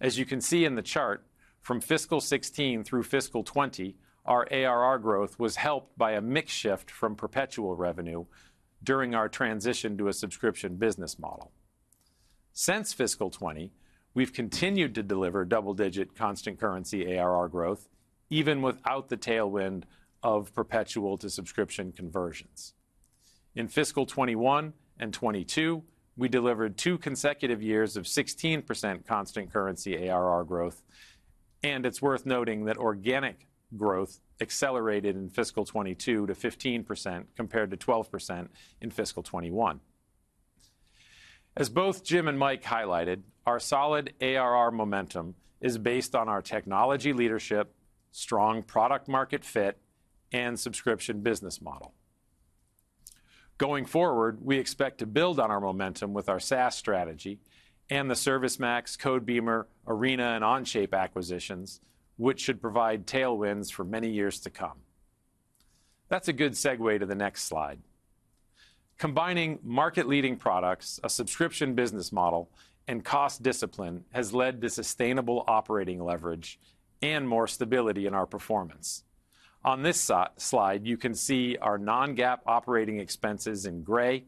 As you can see in the chart, from fiscal 2016 through fiscal 2020, our ARR growth was helped by a mix shift from perpetual revenue during our transition to a subscription business model. Since fiscal 2020, we've continued to deliver double-digit constant currency ARR growth, even without the tailwind of perpetual to subscription conversions. In fiscal 2021 and 2022, we delivered two consecutive years of 16% constant currency ARR growth, and it's worth noting that organic growth accelerated in fiscal 2022 to 15% compared to 12% in fiscal 2021. As both Jim and Mike highlighted, our solid ARR momentum is based on our technology leadership, strong product market fit, and subscription business model. Going forward, we expect to build on our momentum with our SaaS strategy and the ServiceMax, Codebeamer, Arena, and Onshape acquisitions, which should provide tailwinds for many years to come. That's a good segue to the next slide. Combining market-leading products, a subscription business model, and cost discipline has led to sustainable operating leverage and more stability in our performance. On this slide, you can see our non-GAAP operating expenses in gray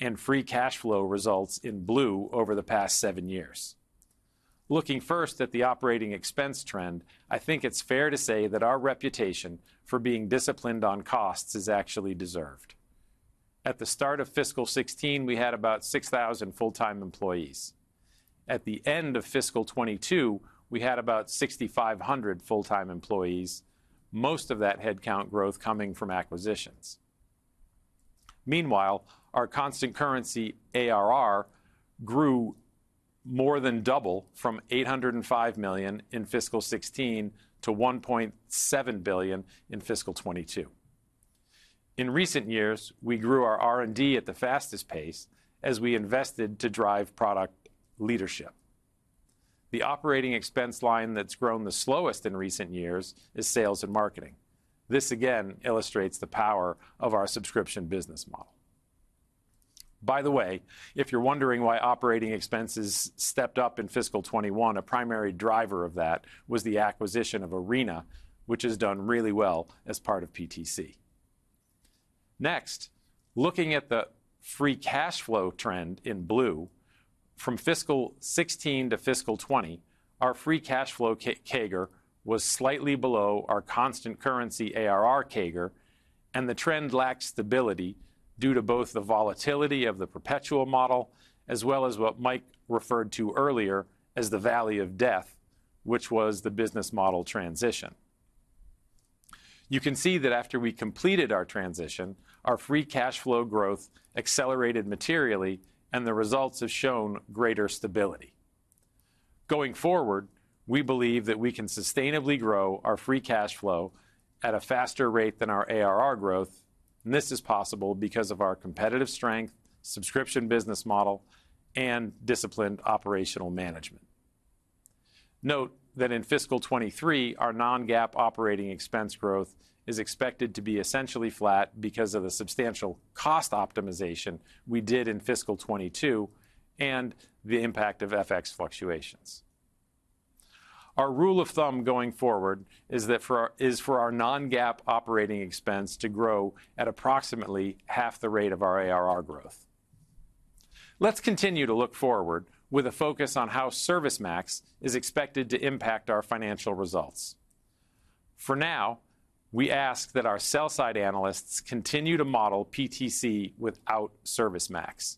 and free cash flow results in blue over the past seven years. Looking first at the operating expense trend, I think it's fair to say that our reputation for being disciplined on costs is actually deserved. At the start of fiscal 2016, we had about 6,000 full-time employees. At the end of fiscal 2022, we had about 6,500 full-time employees, most of that headcount growth coming from acquisitions. Meanwhile, our constant currency ARR grew more than double from $805 million in fiscal 2016 to $1.7 billion in fiscal 2022. In recent years, we grew our R&D at the fastest pace as we invested to drive product leadership. The operating expense line that's grown the slowest in recent years is sales and marketing. This again illustrates the power of our subscription business model. By the way, if you're wondering why operating expenses stepped up in fiscal 2021, a primary driver of that was the acquisition of Arena, which has done really well as part of PTC. Next, looking at the free cash flow trend in blue, from fiscal 2016 to fiscal 2020, our free cash flow CAGR was slightly below our constant currency ARR CAGR, and the trend lacked stability due to both the volatility of the perpetual model as well as what Mike referred to earlier as the valley of death, which was the business model transition. You can see that after we completed our transition, our free cash flow growth accelerated materially, and the results have shown greater stability. Going forward, we believe that we can sustainably grow our free cash flow at a faster rate than our ARR growth, and this is possible because of our competitive strength, subscription business model, and disciplined operational management. Note that in fiscal 2023, our non-GAAP operating expense growth is expected to be essentially flat because of the substantial cost optimization we did in fiscal 2022 and the impact of FX fluctuations. Our rule of thumb going forward is for our non-GAAP operating expense to grow at approximately half the rate of our ARR growth. Let's continue to look forward with a focus on how ServiceMax is expected to impact our financial results. For now, we ask that our sell-side analysts continue to model PTC without ServiceMax.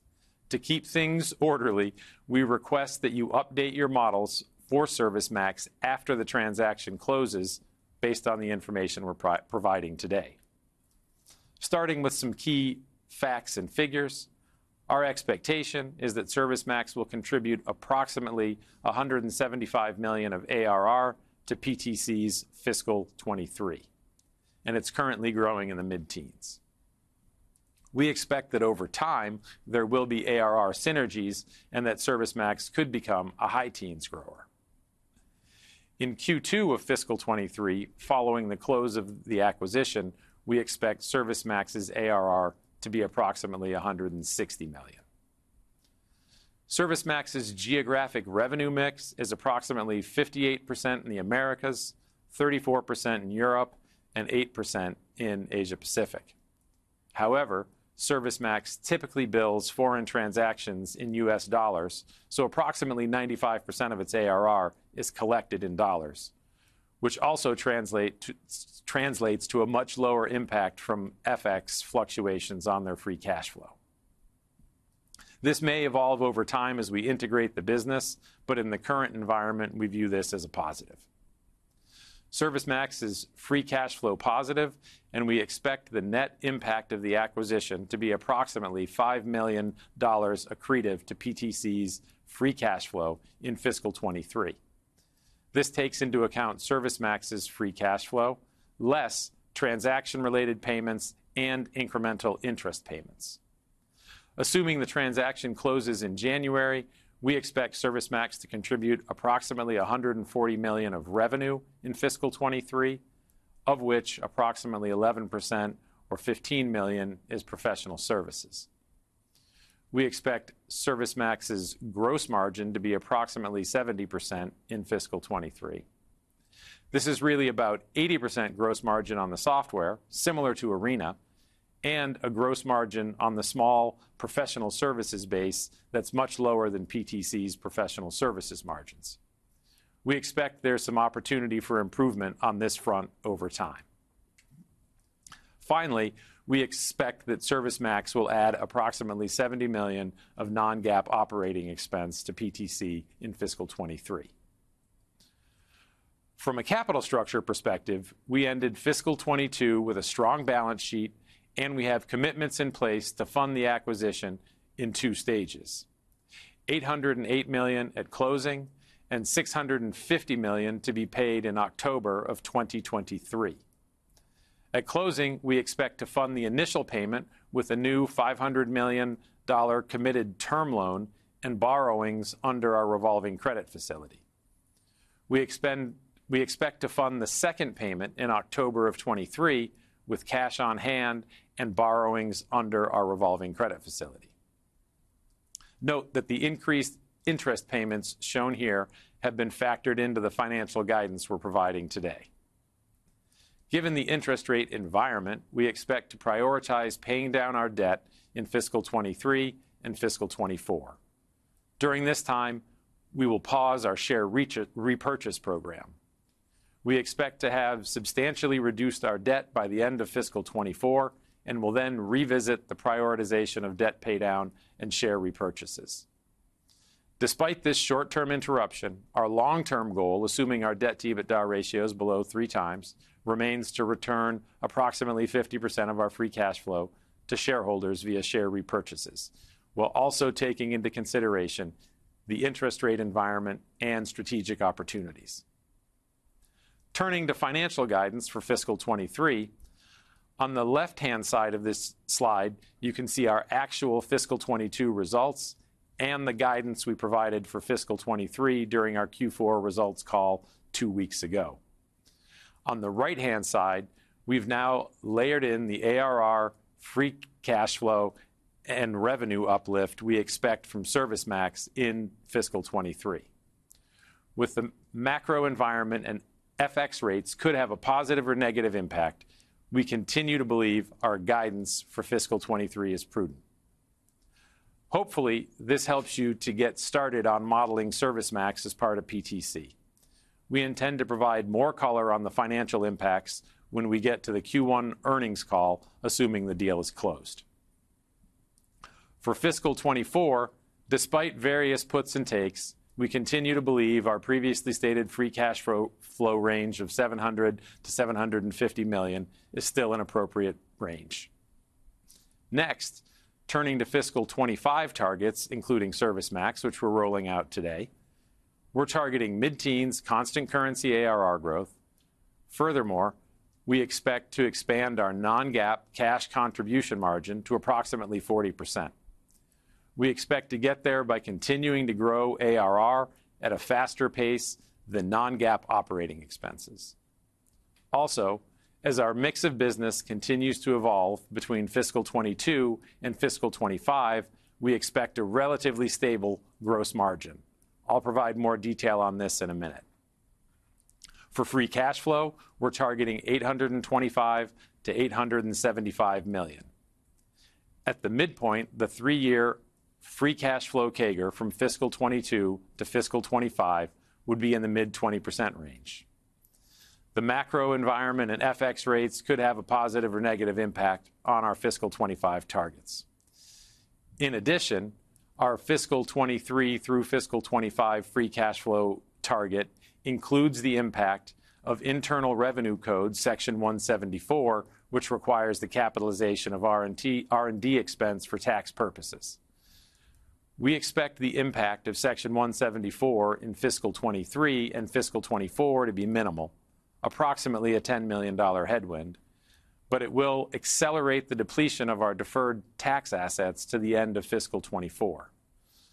To keep things orderly, we request that you update your models for ServiceMax after the transaction closes based on the information we're providing today. Starting with some key facts and figures, our expectation is that ServiceMax will contribute approximately $175 million of ARR to PTC's fiscal 2023, and it's currently growing in the mid-teens. We expect that over time, there will be ARR synergies and that ServiceMax could become a high-teens grower. In Q2 of fiscal 2023, following the close of the acquisition, we expect ServiceMax's ARR to be approximately $160 million. ServiceMax's geographic revenue mix is approximately 58% in the Americas, 34% in Europe, and 8% in Asia Pacific. However, ServiceMax typically bills foreign transactions in U.S. dollars, so approximately 95% of its ARR is collected in dollars, which also translates to a much lower impact from FX fluctuations on their free cash flow. This may evolve over time as we integrate the business, but in the current environment, we view this as a positive. ServiceMax is free cash flow positive, and we expect the net impact of the acquisition to be approximately $5 million accretive to PTC's free cash flow in fiscal 2023. This takes into account ServiceMax's free cash flow, less transaction-related payments and incremental interest payments. Assuming the transaction closes in January, we expect ServiceMax to contribute approximately $140 million of revenue in fiscal 2023, of which approximately 11% or $15 million is professional services. We expect ServiceMax's gross margin to be approximately 70% in fiscal 2023. This is really about 80% gross margin on the software, similar to Arena, and a gross margin on the small professional services base that's much lower than PTC's professional services margins. We expect there's some opportunity for improvement on this front over time. Finally, we expect that ServiceMax will add approximately $70 million of non-GAAP operating expense to PTC in fiscal 2023. From a capital structure perspective, we ended fiscal 2022 with a strong balance sheet, and we have commitments in place to fund the acquisition in two stages. $808 million at closing, and $650 million to be paid in October of 2023. At closing, we expect to fund the initial payment with a new $500 million committed term loan and borrowings under our revolving credit facility. We expect to fund the second payment in October of 2023 with cash on hand and borrowings under our revolving credit facility. Note that the increased interest payments shown here have been factored into the financial guidance we're providing today. Given the interest rate environment, we expect to prioritize paying down our debt in fiscal 2023 and fiscal 2024. During this time, we will pause our share repurchase program. We expect to have substantially reduced our debt by the end of fiscal 2024, and will then revisit the prioritization of debt paydown and share repurchases. Despite this short-term interruption, our long-term goal, assuming our debt-to-EBITDA ratio is below three times, remains to return approximately 50% of our free cash flow to shareholders via share repurchases, while also taking into consideration the interest rate environment and strategic opportunities. Turning to financial guidance for fiscal 2023, on the left-hand side of this slide, you can see our actual fiscal 2022 results and the guidance we provided for fiscal 2023 during our Q4 results call two weeks ago. On the right-hand side, we've now layered in the ARR, free c-cash flow, and revenue uplift we expect from ServiceMax in fiscal twenty-three. With the macro environment and FX rates could have a positive or negative impact, we continue to believe our guidance for fiscal twenty-three is prudent. Hopefully, this helps you to get started on modeling ServiceMax as part of PTC. We intend to provide more color on the financial impacts when we get to the Q1 earnings call, assuming the deal is closed. For fiscal twenty-four, despite various puts and takes, we continue to believe our previously stated free cash flow range of $700 million-$750 million is still an appropriate range. Next, turning to fiscal 2025 targets, including ServiceMax, which we're rolling out today, we're targeting mid-teens constant currency ARR growth. Furthermore, we expect to expand our non-GAAP cash contribution margin to approximately 40%. We expect to get there by continuing to grow ARR at a faster pace than non-GAAP operating expenses. Also, as our mix of business continues to evolve between fiscal 2022 and fiscal 2025, we expect a relatively stable gross margin. I'll provide more detail on this in a minute. For free cash flow, we're targeting $825 million-$875 million. At the midpoint, the three-year free cash flow CAGR from fiscal 2022 to fiscal 2025 would be in the mid 20% range. The macro environment and FX rates could have a positive or negative impact on our fiscal 2025 targets. In addition, our fiscal 2023 through fiscal 2025 free cash flow target includes the impact of Internal Revenue Code Section 174, which requires the capitalization of R&D expense for tax purposes. We expect the impact of Section 174 in fiscal 2023 and fiscal 2024 to be minimal, approximately a $10 million headwind. It will accelerate the depletion of our deferred tax assets to the end of fiscal 2024.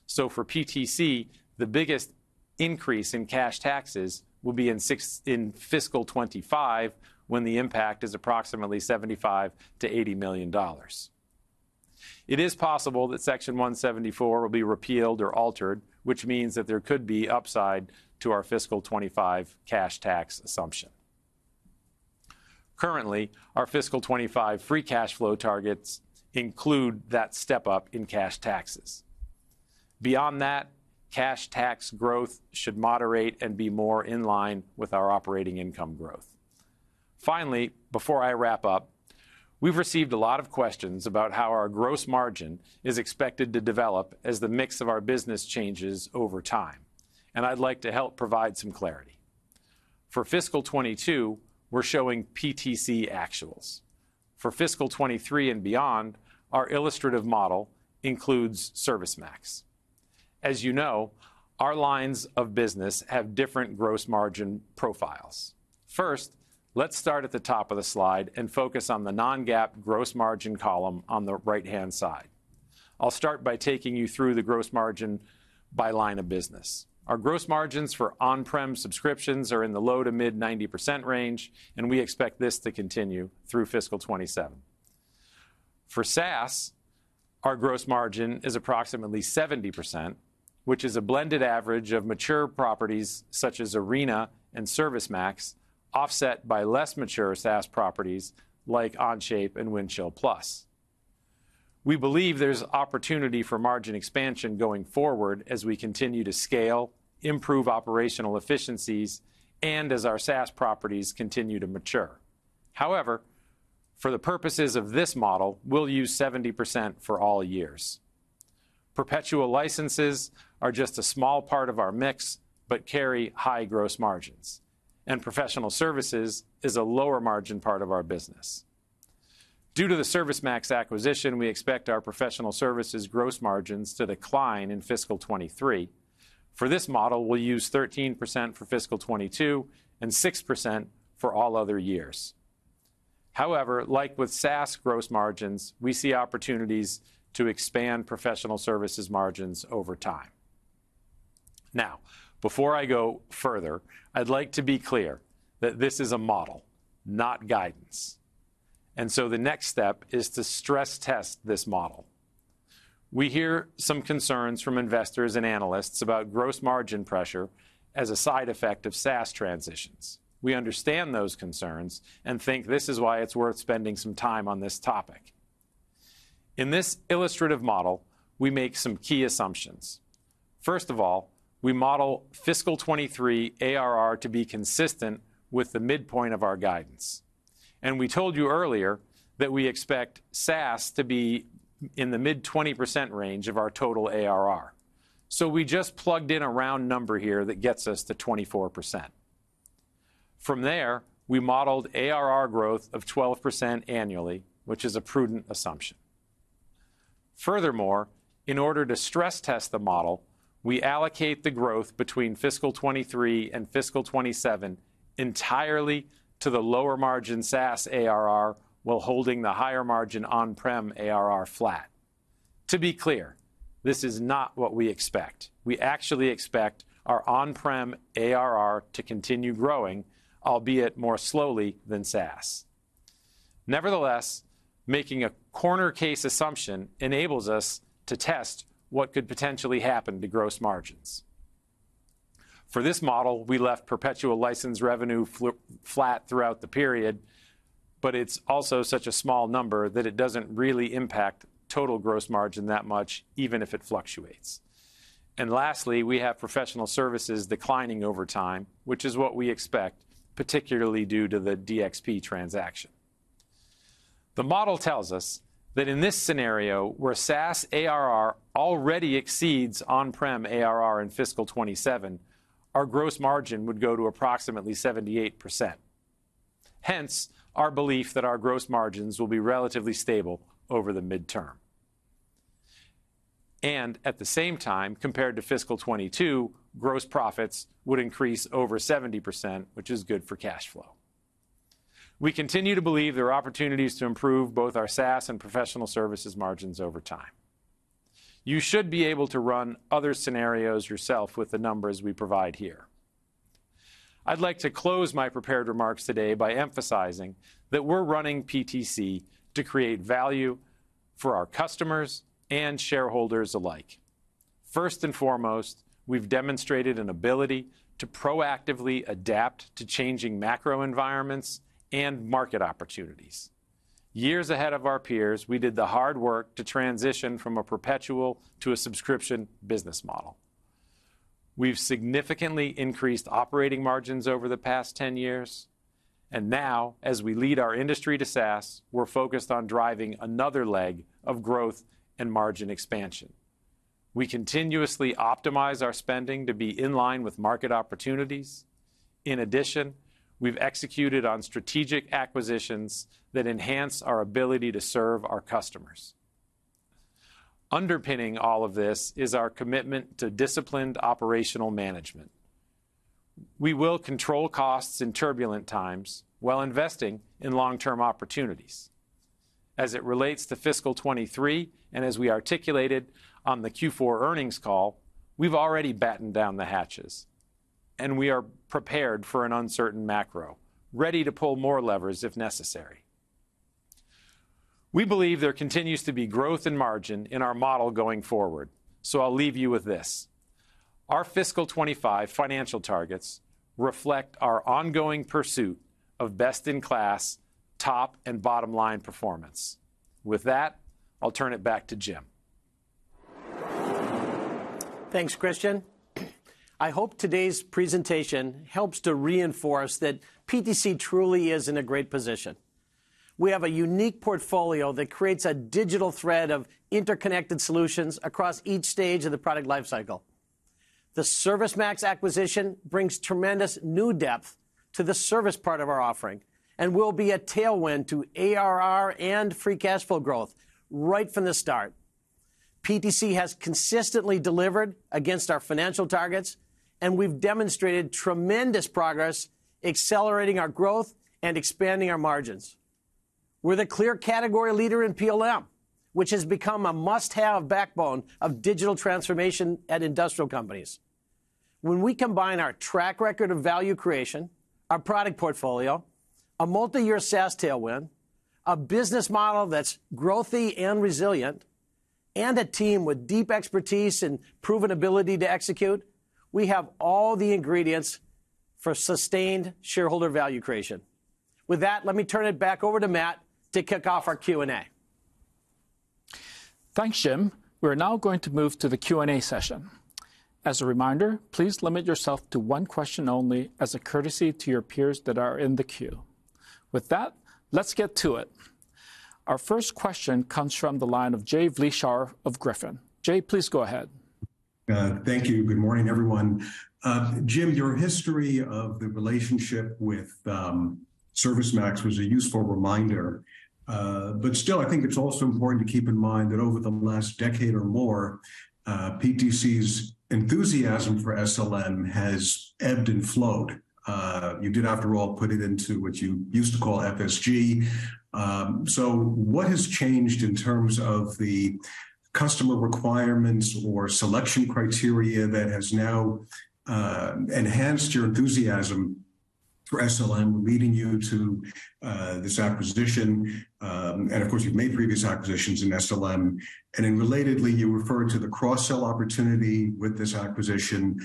For PTC, the biggest increase in cash taxes will be in fiscal 2025, when the impact is approximately $75 million-$80 million. It is possible that Section 174 will be repealed or altered, which means that there could be upside to our fiscal 2025 cash tax assumption. Currently, our fiscal 2025 free cash flow targets include that step up in cash taxes. Beyond that, cash tax growth should moderate and be more in line with our operating income growth. Finally, before I wrap up, we've received a lot of questions about how our gross margin is expected to develop as the mix of our business changes over time, and I'd like to help provide some clarity. For fiscal 2022, we're showing PTC actuals. For fiscal 2023 and beyond, our illustrative model includes ServiceMax. As you know, our lines of business have different gross margin profiles. First, let's start at the top of the slide and focus on the non-GAAP gross margin column on the right-hand side. I'll start by taking you through the gross margin by line of business. Our gross margins for on-prem subscriptions are in the low to mid 90% range, and we expect this to continue through fiscal 2027. For SaaS, our gross margin is approximately 70%, which is a blended average of mature properties such as Arena and ServiceMax, offset by less mature SaaS properties like Onshape and Windchill+. We believe there's opportunity for margin expansion going forward as we continue to scale, improve operational efficiencies, and as our SaaS properties continue to mature. However, for the purposes of this model, we'll use 70% for all years. Perpetual licenses are just a small part of our mix but carry high gross margins, and professional services is a lower margin part of our business. Due to the ServiceMax acquisition, we expect our professional services gross margins to decline in fiscal 2023. For this model, we'll use 13% for fiscal 2022 and 6% for all other years. However, like with SaaS gross margins, we see opportunities to expand professional services margins over time. Now, before I go further, I'd like to be clear that this is a model, not guidance. The next step is to stress test this model. We hear some concerns from investors and analysts about gross margin pressure as a side effect of SaaS transitions. We understand those concerns and think this is why it's worth spending some time on this topic. In this illustrative model, we make some key assumptions. First of all, we model fiscal 2023 ARR to be consistent with the midpoint of our guidance. We told you earlier that we expect SaaS to be in the mid-20% range of our total ARR. We just plugged in a round number here that gets us to 24%. From there, we modeled ARR growth of 12% annually, which is a prudent assumption. Furthermore, in order to stress test the model, we allocate the growth between fiscal 2023 and fiscal 2027 entirely to the lower margin SaaS ARR while holding the higher margin on-prem ARR flat. To be clear, this is not what we expect. We actually expect our on-prem ARR to continue growing, albeit more slowly than SaaS. Nevertheless, making a corner case assumption enables us to test what could potentially happen to gross margins. For this model, we left perpetual license revenue flat throughout the period, but it's also such a small number that it doesn't really impact total gross margin that much, even if it fluctuates. Lastly, we have professional services declining over time, which is what we expect, particularly due to the DxP transaction. The model tells us that in this scenario where SaaS ARR already exceeds on-prem ARR in fiscal 2027, our gross margin would go to approximately 78%. Hence, our belief that our gross margins will be relatively stable over the midterm. At the same time, compared to fiscal 2022, gross profits would increase over 70%, which is good for cash flow. We continue to believe there are opportunities to improve both our SaaS and professional services margins over time. You should be able to run other scenarios yourself with the numbers we provide here. I'd like to close my prepared remarks today by emphasizing that we're running PTC to create value for our customers and shareholders alike. First and foremost, we've demonstrated an ability to proactively adapt to changing macro environments and market opportunities. Years ahead of our peers, we did the hard work to transition from a perpetual to a subscription business model. We've significantly increased operating margins over the past 10 years, and now as we lead our industry to SaaS, we're focused on driving another leg of growth and margin expansion. We continuously optimize our spending to be in line with market opportunities. In addition, we've executed on strategic acquisitions that enhance our ability to serve our customers. Underpinning all of this is our commitment to disciplined operational management. We will control costs in turbulent times while investing in long-term opportunities. As it relates to fiscal 2023, and as we articulated on the Q4 earnings call, we've already battened down the hatches, and we are prepared for an uncertain macro, ready to pull more levers if necessary. We believe there continues to be growth and margin in our model going forward, so I'll leave you with this. Our fiscal 2025 financial targets reflect our ongoing pursuit of best-in-class top- and bottom-line performance. With that, I'll turn it back to Jim. Thanks, Kristian. I hope today's presentation helps to reinforce that PTC truly is in a great position. We have a unique portfolio that creates a digital thread of interconnected solutions across each stage of the product lifecycle. The ServiceMax acquisition brings tremendous new depth to the service part of our offering and will be a tailwind to ARR and free cash flow growth right from the start. PTC has consistently delivered against our financial targets, and we've demonstrated tremendous progress accelerating our growth and expanding our margins. We're the clear category leader in PLM, which has become a must-have backbone of digital transformation at industrial companies. When we combine our track record of value creation, our product portfolio, a multiyear SaaS tailwind, a business model that's growthy and resilient, and a team with deep expertise and proven ability to execute, we have all the ingredients for sustained shareholder value creation. With that, let me turn it back over to Matt to kick off our Q&A. Thanks, Jim. We're now going to move to the Q&A session. As a reminder, please limit yourself to one question only as a courtesy to your peers that are in the queue. With that, let's get to it. Our first question comes from the line of Jay Vleeschhouwer of Griffin. Jay, please go ahead. Thank you. Good morning, everyone. Jim, your history of the relationship with ServiceMax was a useful reminder. Still, I think it's also important to keep in mind that over the last decade or more, PTC's enthusiasm for SLM has ebbed and flowed. You did, after all, put it into what you used to call FSG. What has changed in terms of the customer requirements or selection criteria that has now enhanced your enthusiasm for SLM, leading you to this acquisition? Of course, you've made previous acquisitions in SLM. Relatedly, you referred to the cross-sell opportunity with this acquisition.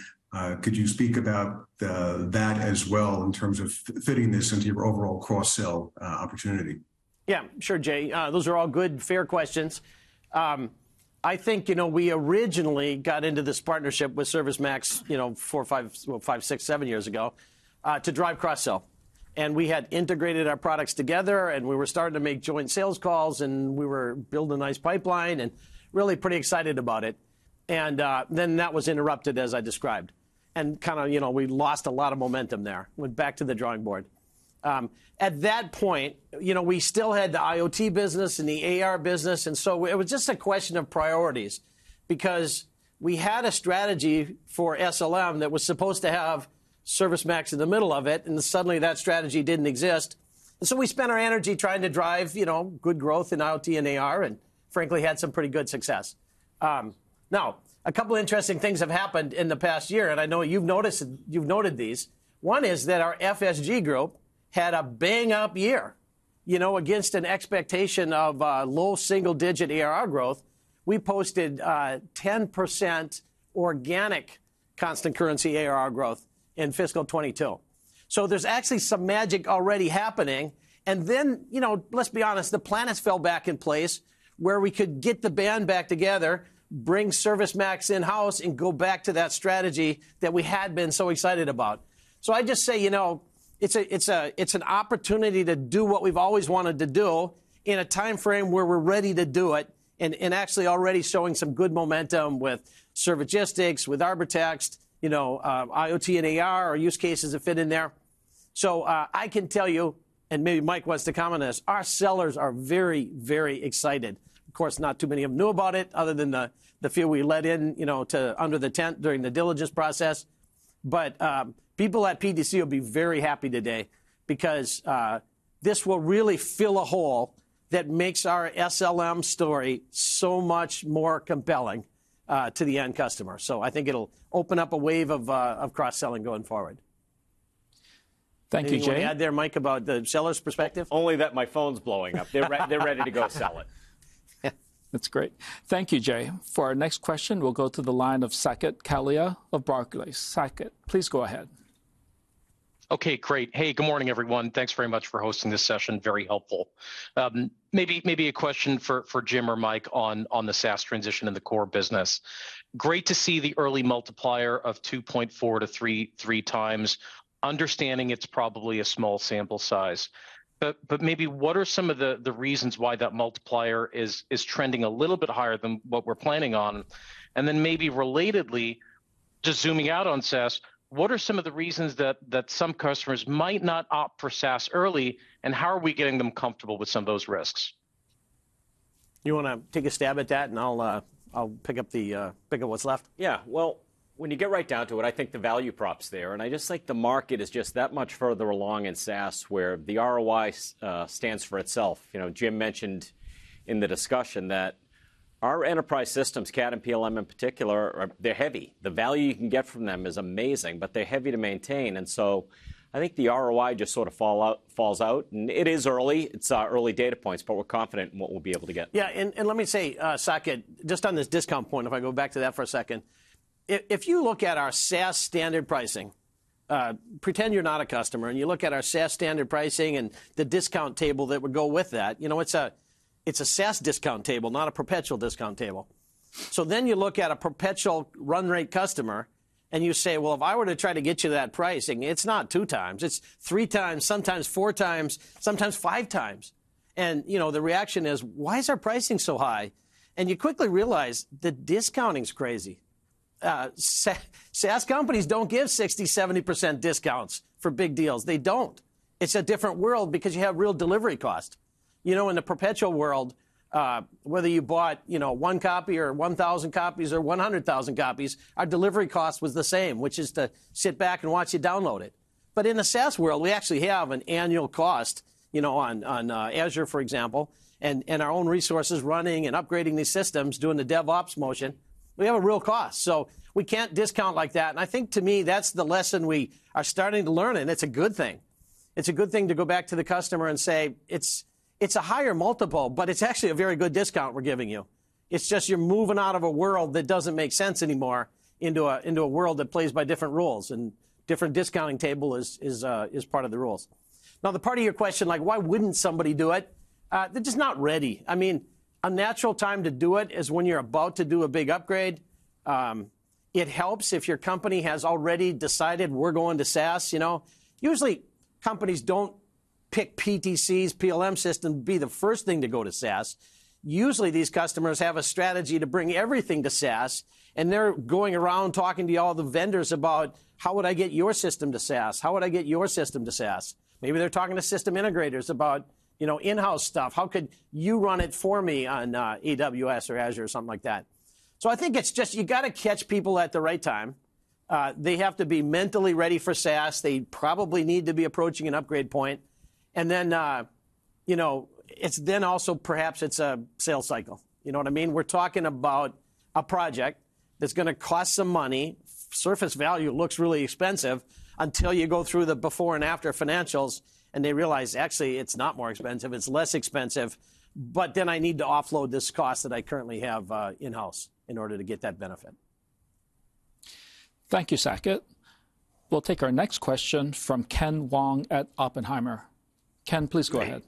Could you speak about that as well in terms of fitting this into your overall cross-sell opportunity? Yeah. Sure, Jay. Those are all good, fair questions. I think, you know, we originally got into this partnership with ServiceMax, you know, four, five, well, five, six, seven years ago to drive cross-sell. We had integrated our products together, and we were starting to make joint sales calls, and we were building a nice pipeline and really pretty excited about it. That was interrupted, as I described. Kinda, you know, we lost a lot of momentum there. Went back to the drawing board. At that point, you know, we still had the IoT business and the A.R. business, and so it was just a question of priorities. Because we had a strategy for SLM that was supposed to have ServiceMax in the middle of it, and then suddenly that strategy didn't exist. We spent our energy trying to drive, you know, good growth in IoT and AR, and frankly had some pretty good success. Now a couple interesting things have happened in the past year, and I know you've noted these. One is that our FSG group had a bang-up year. You know, against an expectation of low single-digit ARR growth, we posted 10% organic constant currency ARR growth in fiscal 2022. There's actually some magic already happening. You know, let's be honest, the planets fell back in place where we could get the band back together, bring ServiceMax in-house, and go back to that strategy that we had been so excited about. I just say, you know, it's an opportunity to do what we've always wanted to do in a timeframe where we're ready to do it and actually already showing some good momentum with Servigistics, with Arbortext, you know, IoT and AR are use cases that fit in there. I can tell you, and maybe Mike wants to comment on this, our sellers are very excited. Of course, not too many of them knew about it, other than the few we let in, you know, to under the tent during the diligence process. People at PTC will be very happy today because this will really fill a hole that makes our SLM story so much more compelling to the end customer. I think it'll open up a wave of cross-selling going forward. Thank you, Jay. Anything you want to add there, Mike, about the seller's perspective? Only that my phone's blowing up. They're ready to go sell it. That's great. Thank you, Jay. For our next question, we'll go to the line of Saket Kalia of Barclays. Saket, please go ahead. Okay, great. Hey, good morning, everyone. Thanks very much for hosting this session. Very helpful. Maybe a question for Jim or Mike on the SaaS transition in the core business. Great to see the early multiplier of 2.4x-3x, understanding it's probably a small sample size. Maybe what are some of the reasons why that multiplier is trending a little bit higher than what we're planning on? Maybe relatedly, just zooming out on SaaS, what are some of the reasons that some customers might not opt for SaaS early, and how are we getting them comfortable with some of those risks? You wanna take a stab at that, and I'll pick up what's left? Yeah. Well, when you get right down to it, I think the value prop's there. I just think the market is just that much further along in SaaS, where the ROI stands for itself. You know, Jim mentioned in the discussion that our enterprise systems, CAD and PLM in particular, they're heavy. The value you can get from them is amazing, but they're heavy to maintain. I think the ROI just sort of falls out. It is early. It's early data points, but we're confident in what we'll be able to get. Yeah, let me say, Saket, just on this discount point, if I go back to that for a second. If you look at our SaaS standard pricing, pretend you're not a customer and you look at our SaaS standard pricing and the discount table that would go with that, you know, it's a SaaS discount table, not a perpetual discount table. You look at a perpetual run rate customer, and you say, well, if I were to try to get you that pricing, it's not 2x, it's 3x, sometimes 4x, sometimes 5x. You know, the reaction is, why is our pricing so high? You quickly realize the discounting's crazy. SaaS companies don't give 60%-70% discounts for big deals. They don't. It's a different world because you have real delivery cost. You know, in the perpetual world, whether you bought, you know, one copy or 1,000 copies or 100,000 copies, our delivery cost was the same, which is to sit back and watch you download it. In the SaaS world, we actually have an annual cost, you know, on Azure, for example, and our own resources running and upgrading these systems, doing the DevOps motion. We have a real cost, so we can't discount like that. I think to me that's the lesson we are starting to learn, and it's a good thing. It's a good thing to go back to the customer and say, it's a higher multiple, but it's actually a very good discount we're giving you. It's just you're moving out of a world that doesn't make sense anymore into a world that plays by different rules, and different discounting table is part of the rules. Now the part of your question, like why wouldn't somebody do it? They're just not ready. I mean, a natural time to do it is when you're about to do a big upgrade. It helps if your company has already decided we're going to SaaS, you know? Pick PTC's PLM system, be the first thing to go to SaaS. Usually these customers have a strategy to bring everything to SaaS, and they're going around talking to all the vendors about how would I get your system to SaaS? Maybe they're talking to system integrators about, you know, in-house stuff. How could you run it for me on AWS or Azure or something like that? I think it's just you got to catch people at the right time. They have to be mentally ready for SaaS. They probably need to be approaching an upgrade point. You know, it's then also perhaps a sales cycle. You know what I mean? We're talking about a project that's gonna cost some money. Surface value looks really expensive until you go through the before and after financials, and they realize actually it's not more expensive, it's less expensive, but then I need to offload this cost that I currently have in-house in order to get that benefit. Thank you, Saket. We'll take our next question from Ken Wong at Oppenheimer. Ken, please go ahead.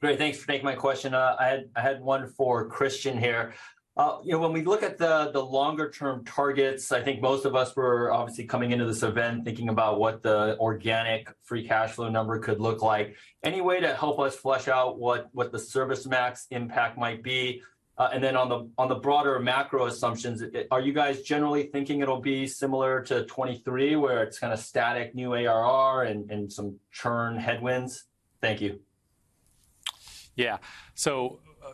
Great. Thanks for taking my question. I had one for Kristian here. You know, when we look at the longer-term targets, I think most of us were obviously coming into this event thinking about what the organic free cash flow number could look like. Any way to help us flesh out what the ServiceMax impact might be? On the broader macro assumptions, are you guys generally thinking it'll be similar to 2023, where it's kind of static new ARR and some churn headwinds? Thank you. Yeah.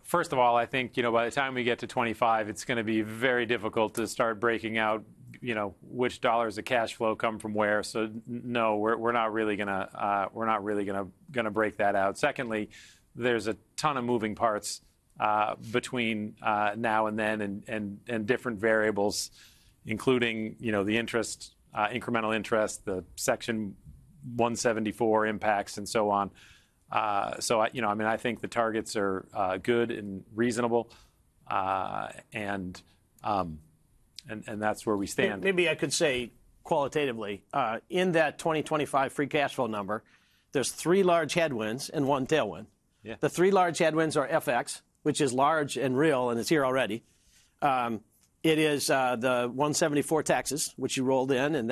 First of all, I think, you know, by the time we get to 2025, it's gonna be very difficult to start breaking out, you know, which dollars of cash flow come from where. No, we're not really gonna break that out. Secondly, there's a ton of moving parts between now and then and different variables, including, you know, the incremental interest, the Section 174 impacts and so on. You know, I mean, I think the targets are good and reasonable. That's where we stand. Maybe I could say qualitatively, in that 2025 free cash flow number, there's three large headwinds and one tailwind. Yeah. The three large headwinds are FX, which is large and real, and it's here already. It is the 174 taxes which you rolled in.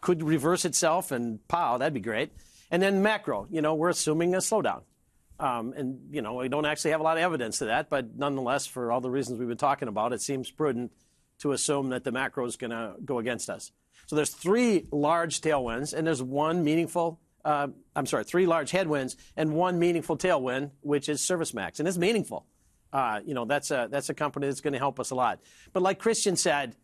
Could reverse itself and pow, that'd be great. Macro, you know, we're assuming a slowdown. You know, we don't actually have a lot of evidence to that, but nonetheless, for all the reasons we've been talking about, it seems prudent to assume that the macro is gonna go against us. There's three large headwinds and one meaningful tailwind, which is ServiceMax, and it's meaningful. You know, that's a company that's going to help us a lot. Like Kristian said,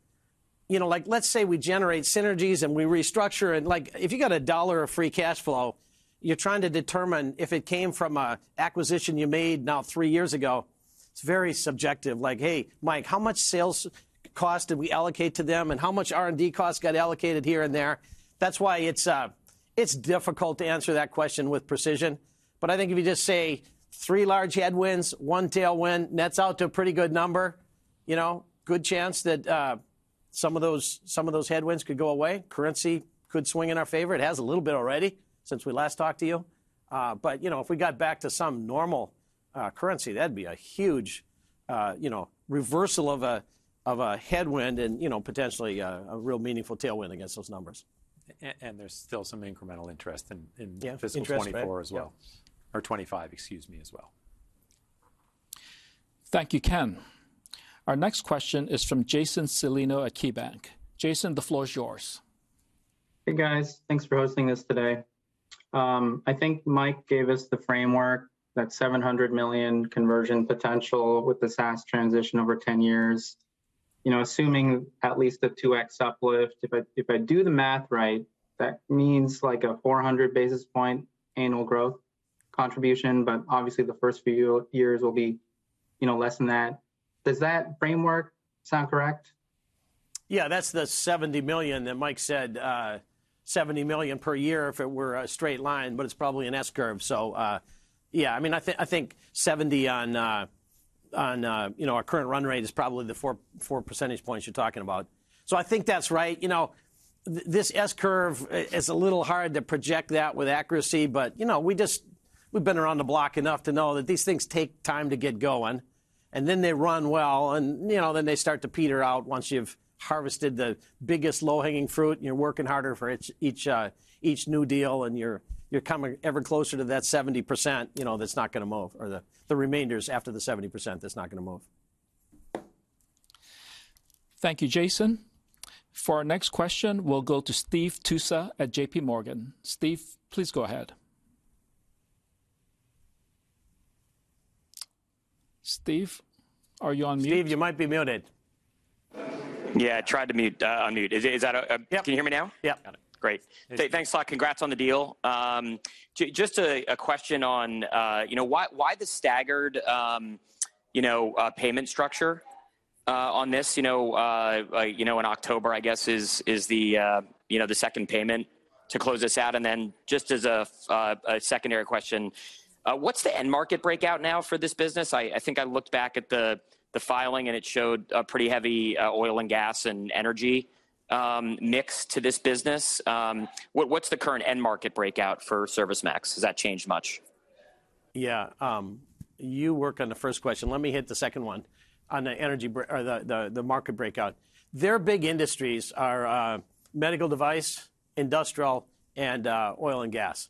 you know, like let's say we generate synergies and we restructure. Like, if you got a dollar of free cash flow, you're trying to determine if it came from an acquisition you made now three years ago, it's very subjective. Like, hey, Mike, how much sales cost did we allocate to them and how much R&D costs got allocated here and there? That's why it's difficult to answer that question with precision. I think if you just say three large headwinds, one tailwind, nets out to a pretty good number. You know, good chance that some of those headwinds could go away. Currency could swing in our favor. It has a little bit already since we last talked to you. You know, if we got back to some normal currency, that'd be a huge, you know, reversal of a headwind and you know, potentially a real meaningful tailwind against those numbers. There's still some incremental interest in fiscal. Yeah. Interest, right? 2025 as well. Thank you, Ken. Our next question is from Jason Celino at KeyBanc. Jason, the floor is yours. Hey, guys. Thanks for hosting this today. I think Mike gave us the framework that $700 million conversion potential with the SaaS transition over 10 years. You know, assuming at least a 2x uplift, if I do the math right, that means like a 400 basis point annual growth contribution. Obviously the first few years will be, you know, less than that. Does that framework sound correct? Yeah. That's the $70 million that Mike said, $70 million per year if it were a straight line, but it's probably an S-curve. Yeah, I mean, I think $70 on, you know, our current run rate is probably the four percentage points you're talking about. I think that's right. You know, this S-curve is a little hard to project that with accuracy. You know, we've been around the block enough to know that these things take time to get going, and then they run well. You know, then they start to peter out once you've harvested the biggest low-hanging fruit and you're working harder for each new deal, and you're coming ever closer to that 70%, you know, that's not going to move or the remainders after the 70% that's not going to move. Thank you, Jason. For our next question, we'll go to Steve Tusa at JPMorgan. Steve, please go ahead. Steve, are you on mute? Steve, you might be muted. Yeah, tried to unmute. Yep. Can you hear me now? Yep. Got it. Great. Hey, thanks a lot. Congrats on the deal. Just a question on, you know, why the staggered, you know, payment structure on this? You know, in October, I guess is, you know, the second payment to close this out. Just as a secondary question, what's the end market breakout now for this business? I think I looked back at the filing, and it showed a pretty heavy oil and gas and energy mix to this business. What's the current end market breakout for ServiceMax? Has that changed much? Yeah. You work on the first question. Let me hit the second one on the market breakout. Their big industries are medical device, industrial, and oil and gas.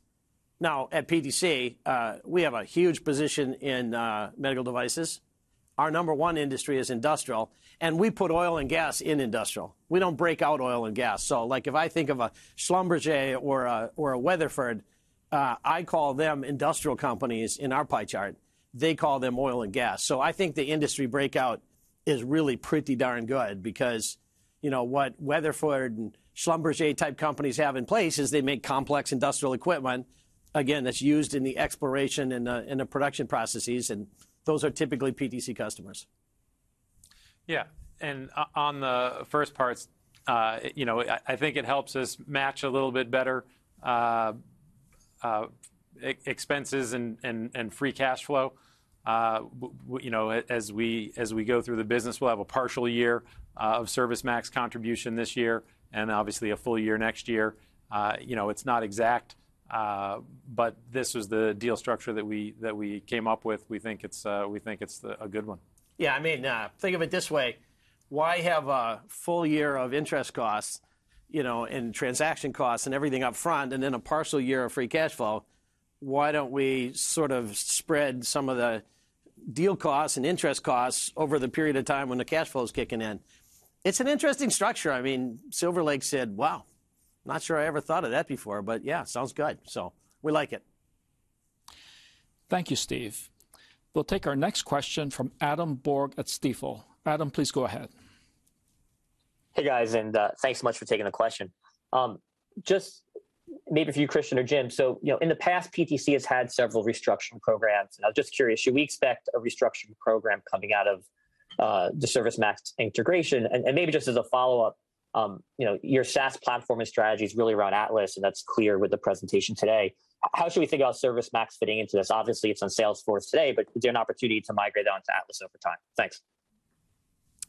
Now, at PTC, we have a huge position in medical devices. Our number one industry is industrial, and we put oil and gas in industrial. We don't break out oil and gas. Like, if I think of a Schlumberger or a Weatherford, I call them industrial companies in our pie chart. They call them oil and gas. I think the industry breakout is really pretty darn good because, you know, what Weatherford and Schlumberger-type companies have in place is they make complex industrial equipment, again, that's used in the exploration and the production processes, and those are typically PTC customers. Yeah. On the first parts, you know, I think it helps us match a little bit better expenses and free cash flow. You know, as we go through the business, we'll have a partial year of ServiceMax contribution this year, and obviously a full year next year. You know, it's not exact, but this was the deal structure that we came up with. We think it's a good one. Yeah. I mean, think of it this way. Why have a full year of interest costs, you know, and transaction costs and everything up front, and then a partial year of free cash flow? Why don't we sort of spread some of the deal costs and interest costs over the period of time when the cash flow is kicking in? It's an interesting structure. I mean, Silver Lake said, wow, not sure I ever thought of that before, but yeah, sounds good. We like it. Thank you, Steve. We'll take our next question from Adam Borg at Stifel. Adam, please go ahead. Hey, guys, thanks so much for taking the question. Just maybe for you, Kristian or Jim. You know, in the past, PTC has had several restructuring programs, and I'm just curious, should we expect a restructuring program coming out of the ServiceMax integration? Maybe just as a follow-up, you know, your SaaS platform and strategy is really around Atlas, and that's clear with the presentation today. How should we think about ServiceMax fitting into this? Obviously, it's on Salesforce today, but is there an opportunity to migrate that onto Atlas over time? Thanks.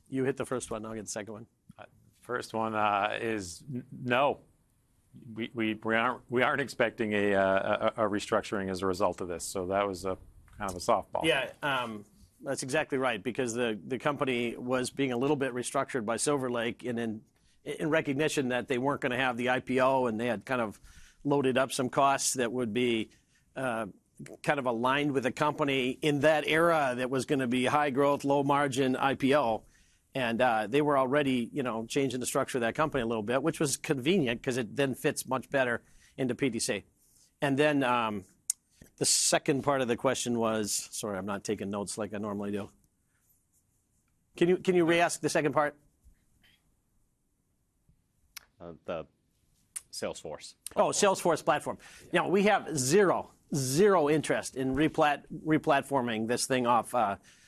You hit the first one. I'll get the second one. First one is no. We aren't expecting a restructuring as a result of this. That was kind of a softball. Yeah. That's exactly right because the company was being a little bit restructured by Silver Lake. In recognition that they weren't gonna have the IPO and they had kind of loaded up some costs that would be kind of aligned with a company in that era that was gonna be high growth, low margin IPO, they were already, you know, changing the structure of that company a little bit, which was convenient 'cause it then fits much better into PTC. The second part of the question was? Sorry, I'm not taking notes like I normally do. Can you re-ask the second part? The Salesforce platform. Oh, Salesforce platform. Now, we have zero interest in replatforming this thing off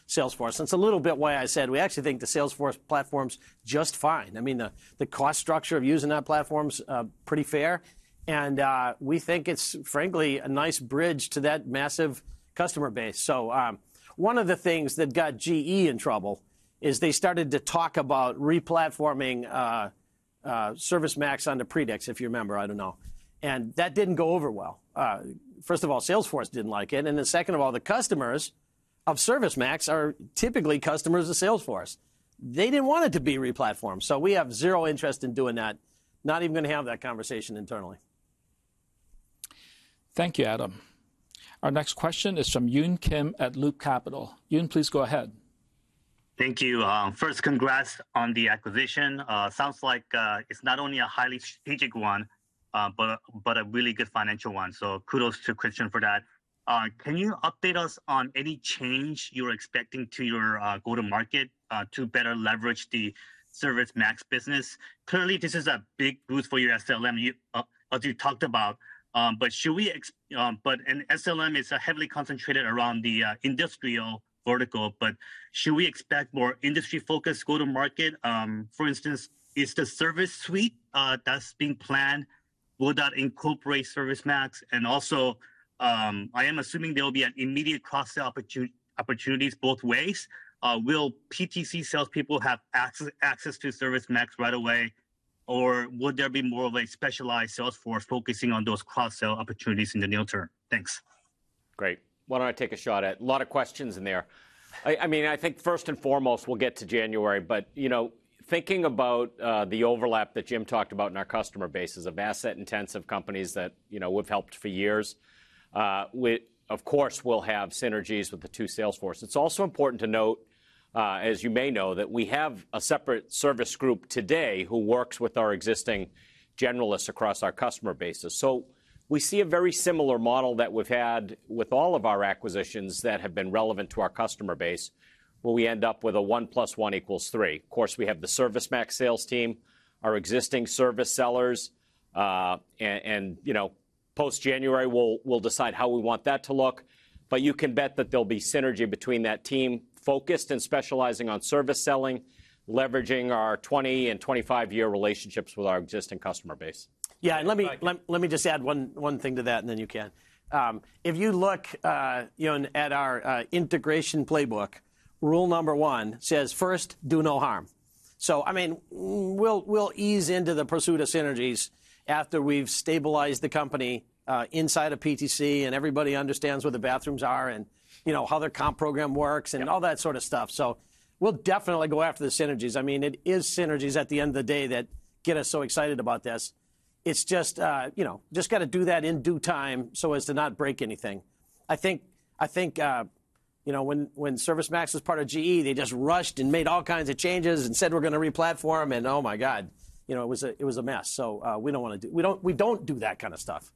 Salesforce. It's a little bit why I said we actually think the Salesforce platform's just fine. I mean, the cost structure of using that platform's pretty fair and we think it's frankly a nice bridge to that massive customer base. One of the things that got GE in trouble is they started to talk about replatforming ServiceMax onto Predix, if you remember. I don't know. That didn't go over well. First of all, Salesforce didn't like it, and then second of all, the customers of ServiceMax are typically customers of Salesforce. They didn't want it to be replatformed. We have zero interest in doing that, not even gonna have that conversation internally. Thank you, Adam. Our next question is from Yun Kim at Loop Capital. Yun, please go ahead. Thank you. Um, first congrats on the acquisition. Uh, sounds like, uh, it's not only a highly strategic one, uh, but a, but a really good financial one, so kudos to Kristian for that. Uh, can you update us on any change you're expecting to your, uh, go-to-market, uh, to better leverage the ServiceMax business? Clearly, this is a big boost for your SLM, you, uh, as you talked about, um, but should we ex..., um, but and SLM is, uh, heavily concentrated around the, uh, industrial vertical, but should we expect more industry focus go-to-market? Um, for instance, is the service suite, uh, that's being planned, will that incorporate ServiceMax? And also, um, I am assuming there will be an immediate cost opportunity, opportunities both ways. Will PTC salespeople have access to ServiceMax right away, or would there be more of a specialized sales force focusing on those cross-sell opportunities in the near term? Thanks. Great. Why don't I take a shot at it? A lot of questions in there. I mean, I think first and foremost we'll get to January, you know, thinking about the overlap that Jim talked about in our customer bases of asset-intensive companies that, you know, we've helped for years. Of course, we'll have synergies with the two sales forces. It's also important to note, as you may know, that we have a separate service group today who works with our existing generalists across our customer bases. We see a very similar model that we've had with all of our acquisitions that have been relevant to our customer base, where we end up with a one plus one equals three. Of course, we have the ServiceMax sales team, our existing service sellers, and, you know, post-January, we'll decide how we want that to look. You can bet that there'll be synergy between that team focused and specializing on service selling, leveraging our 20 and 25-year relationships with our existing customer base. Yeah. Go ahead. Let me just add one thing to that, and then you can. If you look, you know, at our integration playbook, rule number one says, first, do no harm. I mean, we'll ease into the pursuit of synergies after we've stabilized the company inside of PTC, and everybody understands where the bathrooms are and, you know, how their comp program works. All that sort of stuff. We'll definitely go after the synergies. I mean, it is synergies at the end of the day that get us so excited about this. It's just, you know, just gotta do that in due time so as to not break anything. I think, you know, when ServiceMax was part of GE, they just rushed and made all kinds of changes and said, we're gonna re-platform, and oh, my God, you know, it was a mess. We don't do that kind of stuff.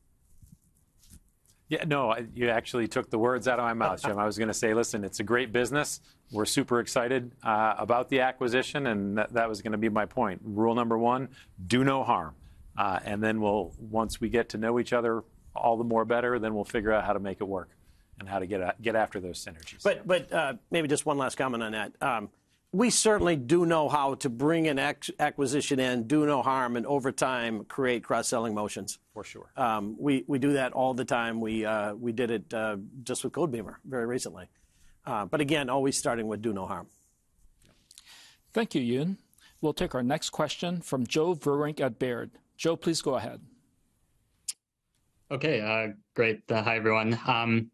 Yeah. No. You actually took the words out of my mouth, Jim. I was gonna say, listen, it's a great business. We're super excited about the acquisition. That was gonna be my point. Rule number one, do no harm. Once we get to know each other all the more better, then we'll figure out how to make it work and how to get after those synergies. Maybe just one last comment on that. We certainly do know how to bring an acquisition in, do no harm, and over time, create cross-selling motions. For sure. We do that all the time. We did it just with Codebeamer very recently. Again, always starting with do no harm. Yeah. Thank you, Yun. We'll take our next question from Joe Vruwink at Baird. Joe, please go ahead. Okay. Great. Hi, everyone.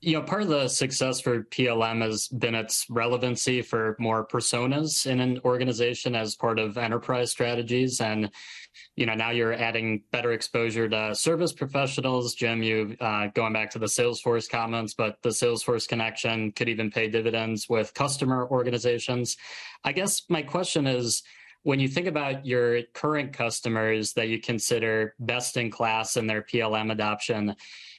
You know, part of the success for PLM has been its relevancy for more personas in an organization as part of enterprise strategies, and, you know, now you're adding better exposure to service professionals. Jim, going back to the Salesforce comments, the Salesforce connection could even pay dividends with customer organizations. I guess my question is, when you think about your current customers that you consider best-in-class in their PLM adoption,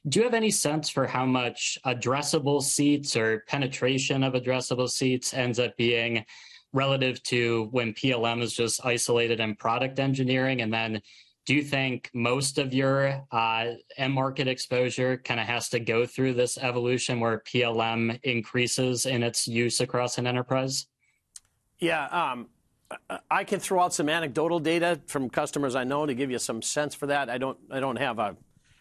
do you have any sense for how much addressable seats or penetration of addressable seats ends up being relative to when PLM is just isolated in product engineering? Do you think most of your end-market exposure kind of has to go through this evolution where PLM increases in its use across an enterprise? Yeah. Um, I can throw out some anecdotal data from customers I know to give you some sense for that. I don't, I don't have a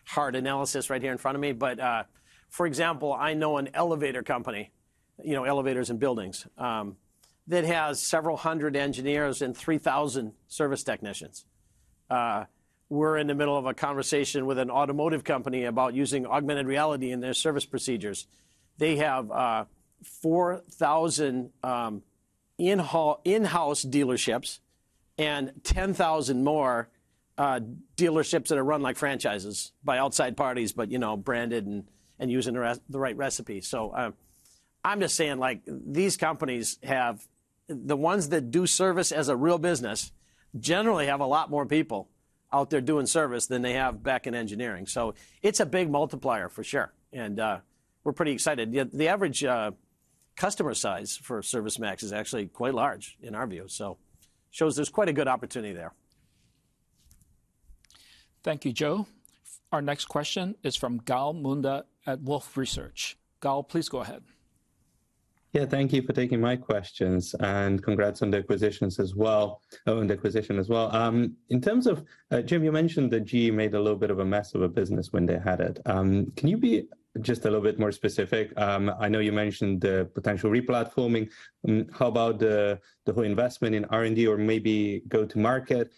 hard analysis right here in front of me. But, uh, for example, I know an elevator company, you know, elevators in buildings, um, that has several hundred engineers and three thousand service technicians. Uh, we're in the middle of a conversation with an automotive company about using augmented reality in their service procedures. They have, uh, 4000, um, in-hou...,in-house dealerships and ten thousand more, uh, dealerships that are run like franchises by outside parties, but, you know, branded and using the re-the right recipe. So, uh, I'm just saying, like, these companies have... The ones that do service as a real business generally have a lot more people out there doing service than they have back in engineering. It's a big multiplier for sure, and we're pretty excited. The average customer size for ServiceMax is actually quite large in our view, so shows there's quite a good opportunity there. Thank you, Joe. Our next question is from Gal Munda at Wolfe Research. Gal, please go ahead. Yeah, thank you for taking my questions, and congrats on the acquisitions as well, oh, and the acquisition as well. In terms of Jim, you mentioned that GE made a little bit of a mess of a business when they had it. Can you be just a little bit more specific? I know you mentioned the potential re-platforming. How about the whole investment in R&D or maybe go to market?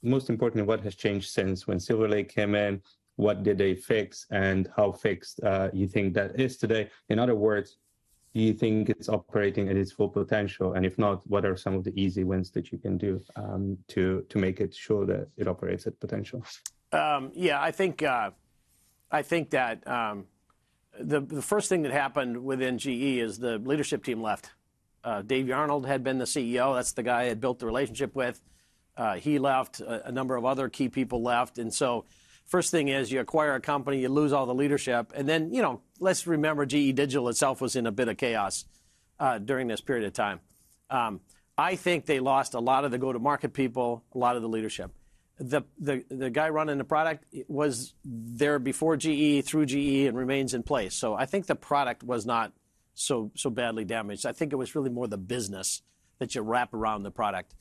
Most importantly, what has changed since when Silver Lake came in? What did they fix, and how fixed you think that is today? In other words, do you think it's operating at its full potential? If not, what are some of the easy wins that you can do to make it sure that it operates at potential? Yeah, I think that the first thing that happened within GE is the leadership team left. Dave Yarnold had been the CEO. That's the guy I'd built the relationship with. He left. A number of other key people left. First thing is, you acquire a company, you lose all the leadership. You know, let's remember GE Digital itself was in a bit of chaos during this period of time. I think they lost a lot of the go-to-market people, a lot of the leadership. The guy running the product was there before GE, through GE, and remains in place. I think the product was not so badly damaged. I think it was really more the business that you wrap around the product.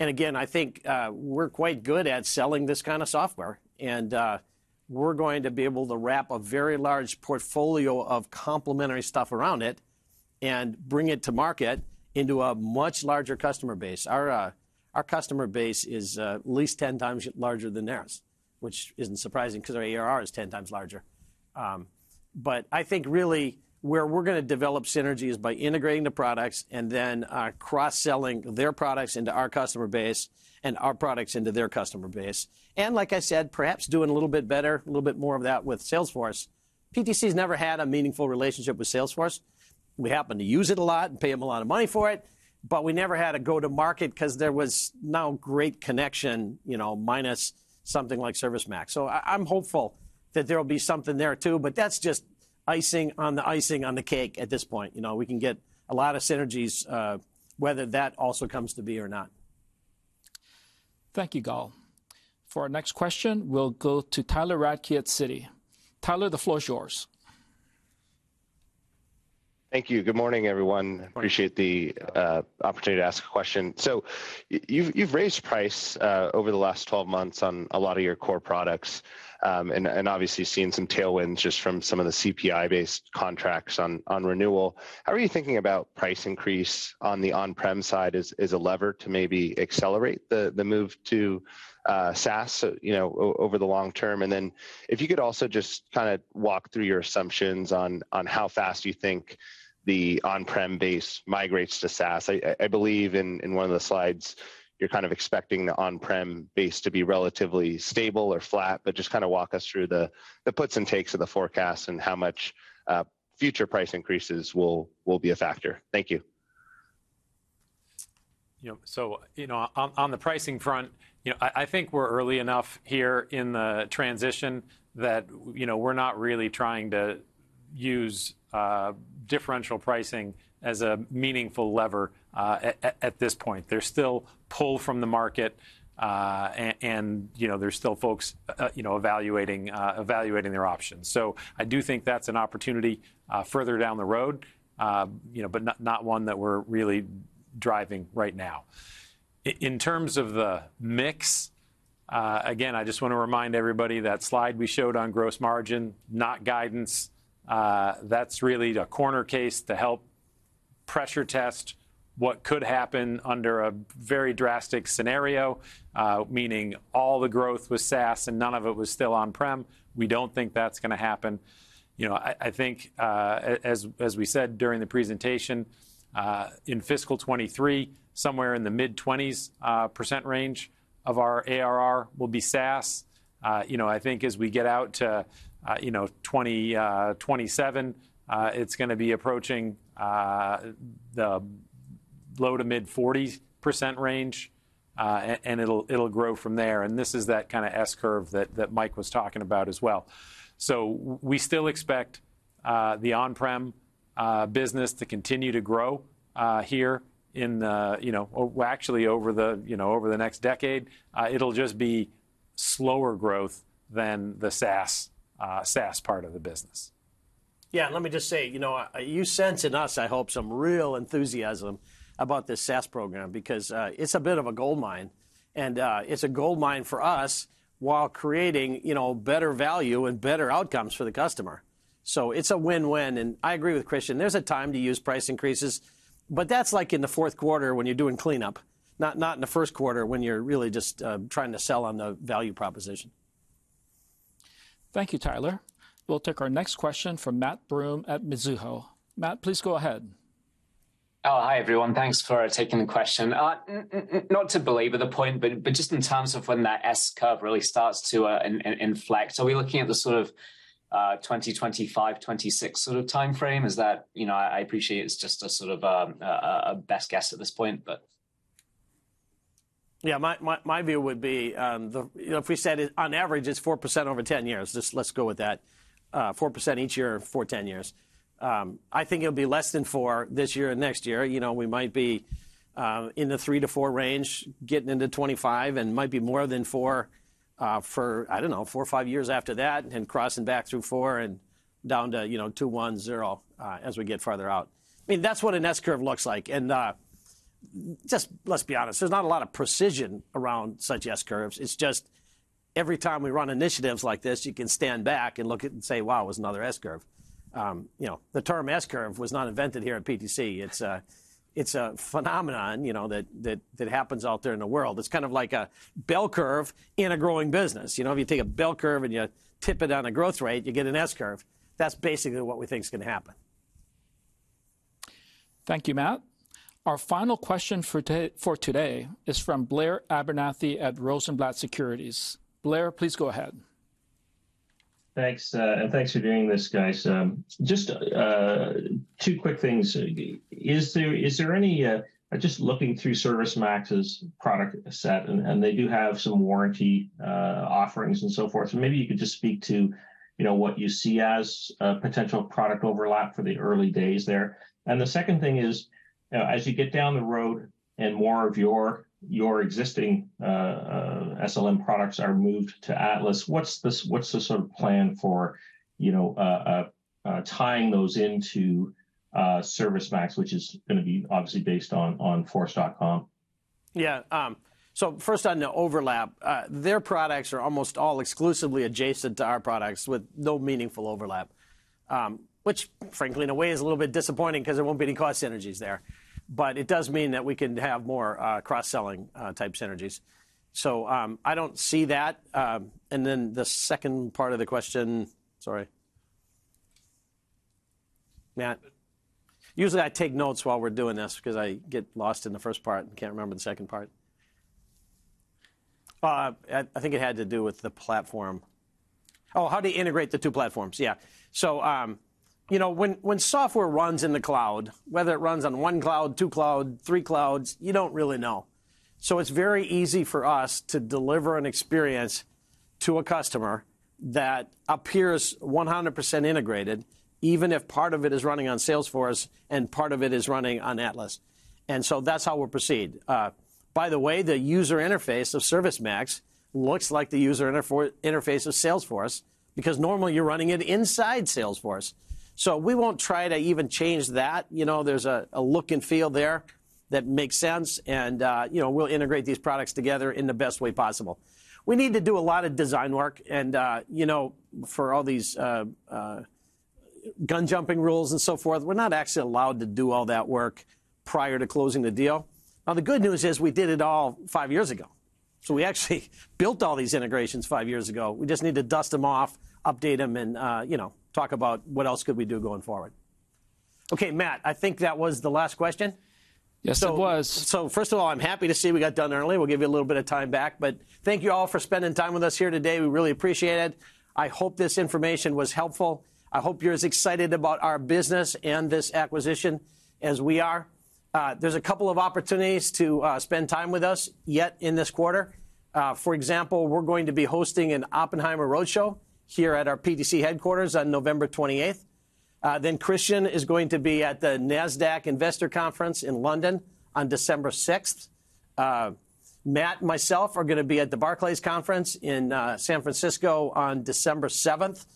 Again, I think we're quite good at selling this kind of software. We're going to be able to wrap a very large portfolio of complementary stuff around it and bring it to market into a much larger customer base. Our customer base is at least 10x larger than theirs, which isn't surprising 'cause our ARR is 10x larger. I think really where we're gonna develop synergy is by integrating the products and then cross-selling their products into our customer base and our products into their customer base. Like I said, perhaps doing a little bit better, a little bit more of that with Salesforce. PTC's never had a meaningful relationship with Salesforce. We happen to use it a lot and pay them a lot of money for it, but we never had a go-to-market 'cause there was no great connection, you know, minus something like ServiceMax. I'm hopeful that there'll be something there too, but that's just icing on the cake at this point. You know, we can get a lot of synergies, whether that also comes to be or not. Thank you, Gal. For our next question, we'll go to Tyler Radke at Citi. Tyler, the floor is yours. Thank you. Good morning, everyone. Morning. Appreciate the opportunity to ask a question. You've raised price over the last 12 months on a lot of your core products and obviously seen some tailwinds just from some of the CPI-based contracts on renewal. How are you thinking about price increase on the on-prem side as a lever to maybe accelerate the move to SaaS, you know, over the long term? If you could also just kinda walk through your assumptions on how fast you think the on-prem base migrates to SaaS. I believe in one of the slides you're kind of expecting the on-prem base to be relatively stable or flat, but just kinda walk us through the puts and takes of the forecast and how much future price increases will be a factor. Thank you. You know, on the pricing front, you know, I think we're early enough here in the transition that, you know, we're not really trying to use differential pricing as a meaningful lever at this point. There's still pull from the market, and you know, there's still folks, you know, evaluating their options. I do think that's an opportunity further down the road. You know, not one that we're really driving right now. In terms of the mix, again, I just wanna remind everybody that slide we showed on gross margin, not guidance, that's really a corner case to help pressure test what could happen under a very drastic scenario, meaning all the growth was SaaS and none of it was still on-prem. We don't think that's gonna happen. You know, I think as we said during the presentation in fiscal 2023, somewhere in the mid-20% range of our ARR will be SaaS. You know, I think as we get out to, you know, 2027, it's gonna be approaching the low to mid-40% range, and it'll grow from there, and this is that kinda S curve that Mike was talking about as well. We still expect the on-prem business to continue to grow here in the, you know, or actually over the next decade. It'll just be slower growth than the SaaS part of the business. Yeah, let me just say, you know, you sense in us, I hope, some real enthusiasm about this SaaS program because it's a bit of a goldmine, and it's a goldmine for us while creating, you know, better value and better outcomes for the customer. It's a win-win, and I agree with Kristian, there's a time to use price increases, but that's like in the fourth quarter when you're doing cleanup, not in the first quarter when you're really just trying to sell on the value proposition. Thank you, Tyler. We'll take our next question from Matt Broome at Mizuho. Matt, please go ahead. Oh, hi, everyone. Thanks for taking the question. Not to belabor the point, but just in terms of when that S-curve really starts to inflect, are we looking at the sort of 2025-2026 sort of timeframe? You know, I appreciate it's just a sort of best guess at this point. Yeah. My view would be, you know, if we said it on average it's 4% over 10 years, just let's go with that. 4% each year for 10 years. I think it'll be less than 4% this year and next year. You know, we might be in the 3%-4% range getting into 2025 and might be more than 4% for, I don't know, four or five years after that and crossing back through 4% and down to, you know, 2%, 1%, 0% as we get farther out. I mean, that's what an S-curve looks like. Just let's be honest, there's not a lot of precision around such S-curves. It's just every time we run initiatives like this, you can stand back and look at it and say, wow, it's another S-curve. You know, the term S-curve was not invented here at PTC. It's a phenomenon, you know, that happens out there in the world. It's kind of like a bell curve in a growing business. You know, if you take a bell curve and you tip it on a growth rate, you get an S-curve. That's basically what we think is gonna happen. Thank you, Matt. Our final question for today is from Blair Abernethy at Rosenblatt Securities. Blair, please go ahead. Thanks. Thanks for doing this, guys. Just two quick things. Just looking through ServiceMax's product set, they do have some warranty offerings and so forth. Maybe you could just speak to, you know, what you see as potential product overlap for the early days there. The second thing is, as you get down the road and more of your existing SLM products are moved to Atlas, what's the sort of plan for, you know, tying those into ServiceMax, which is gonna be obviously based on Force.com? Yeah. First on the overlap, their products are almost all exclusively adjacent to our products with no meaningful overlap. Which frankly in a way is a little bit disappointing 'cause there won't be any cost synergies there. It does mean that we can have more cross-selling type synergies. I don't see that. The second part of the question. Sorry. Matt? Usually I take notes while we're doing this 'cause I get lost in the first part and can't remember the second part. I think it had to do with the platform. Oh, how do you integrate the two platforms? Yeah. You know, when software runs in the cloud, whether it runs on one cloud, two cloud, three clouds, you don't really know. It's very easy for us to deliver an experience to a customer that appears 100% integrated, even if part of it is running on Salesforce and part of it is running on Atlas. That's how we'll proceed. By the way, the user interface of ServiceMax looks like the user interface of Salesforce because normally you're running it inside Salesforce. We won't try to even change that. You know, there's a look and feel there that makes sense and, you know, we'll integrate these products together in the best way possible. We need to do a lot of design work and, you know, for all these gun jumping rules and so forth, we're not actually allowed to do all that work prior to closing the deal. Now, the good news is we did it all five years ago. We actually built all these integrations five years ago. We just need to dust them off, update them, and, you know, talk about what else could we do going forward. Okay, Matt, I think that was the last question. Yes, it was. First of all, I'm happy to see we got done early. We'll give you a little bit of time back, but thank you all for spending time with us here today. We really appreciate it. I hope this information was helpful. I hope you're as excited about our business and this acquisition as we are. There's a couple of opportunities to spend time with us yet in this quarter. For example, we're going to be hosting an Oppenheimer Roadshow here at our PTC headquarters on November 28th. Kristian is going to be at the Nasdaq Investor Conference in London on December 6th. Matt and myself are gonna be at the Barclays Conference in San Francisco on December 7th.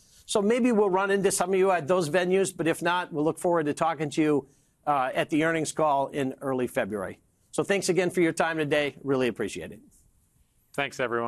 Maybe we'll run into some of you at those venues, but if not, we'll look forward to talking to you at the earnings call in early February. Thanks again for your time today. Really appreciate it. Thanks, everyone.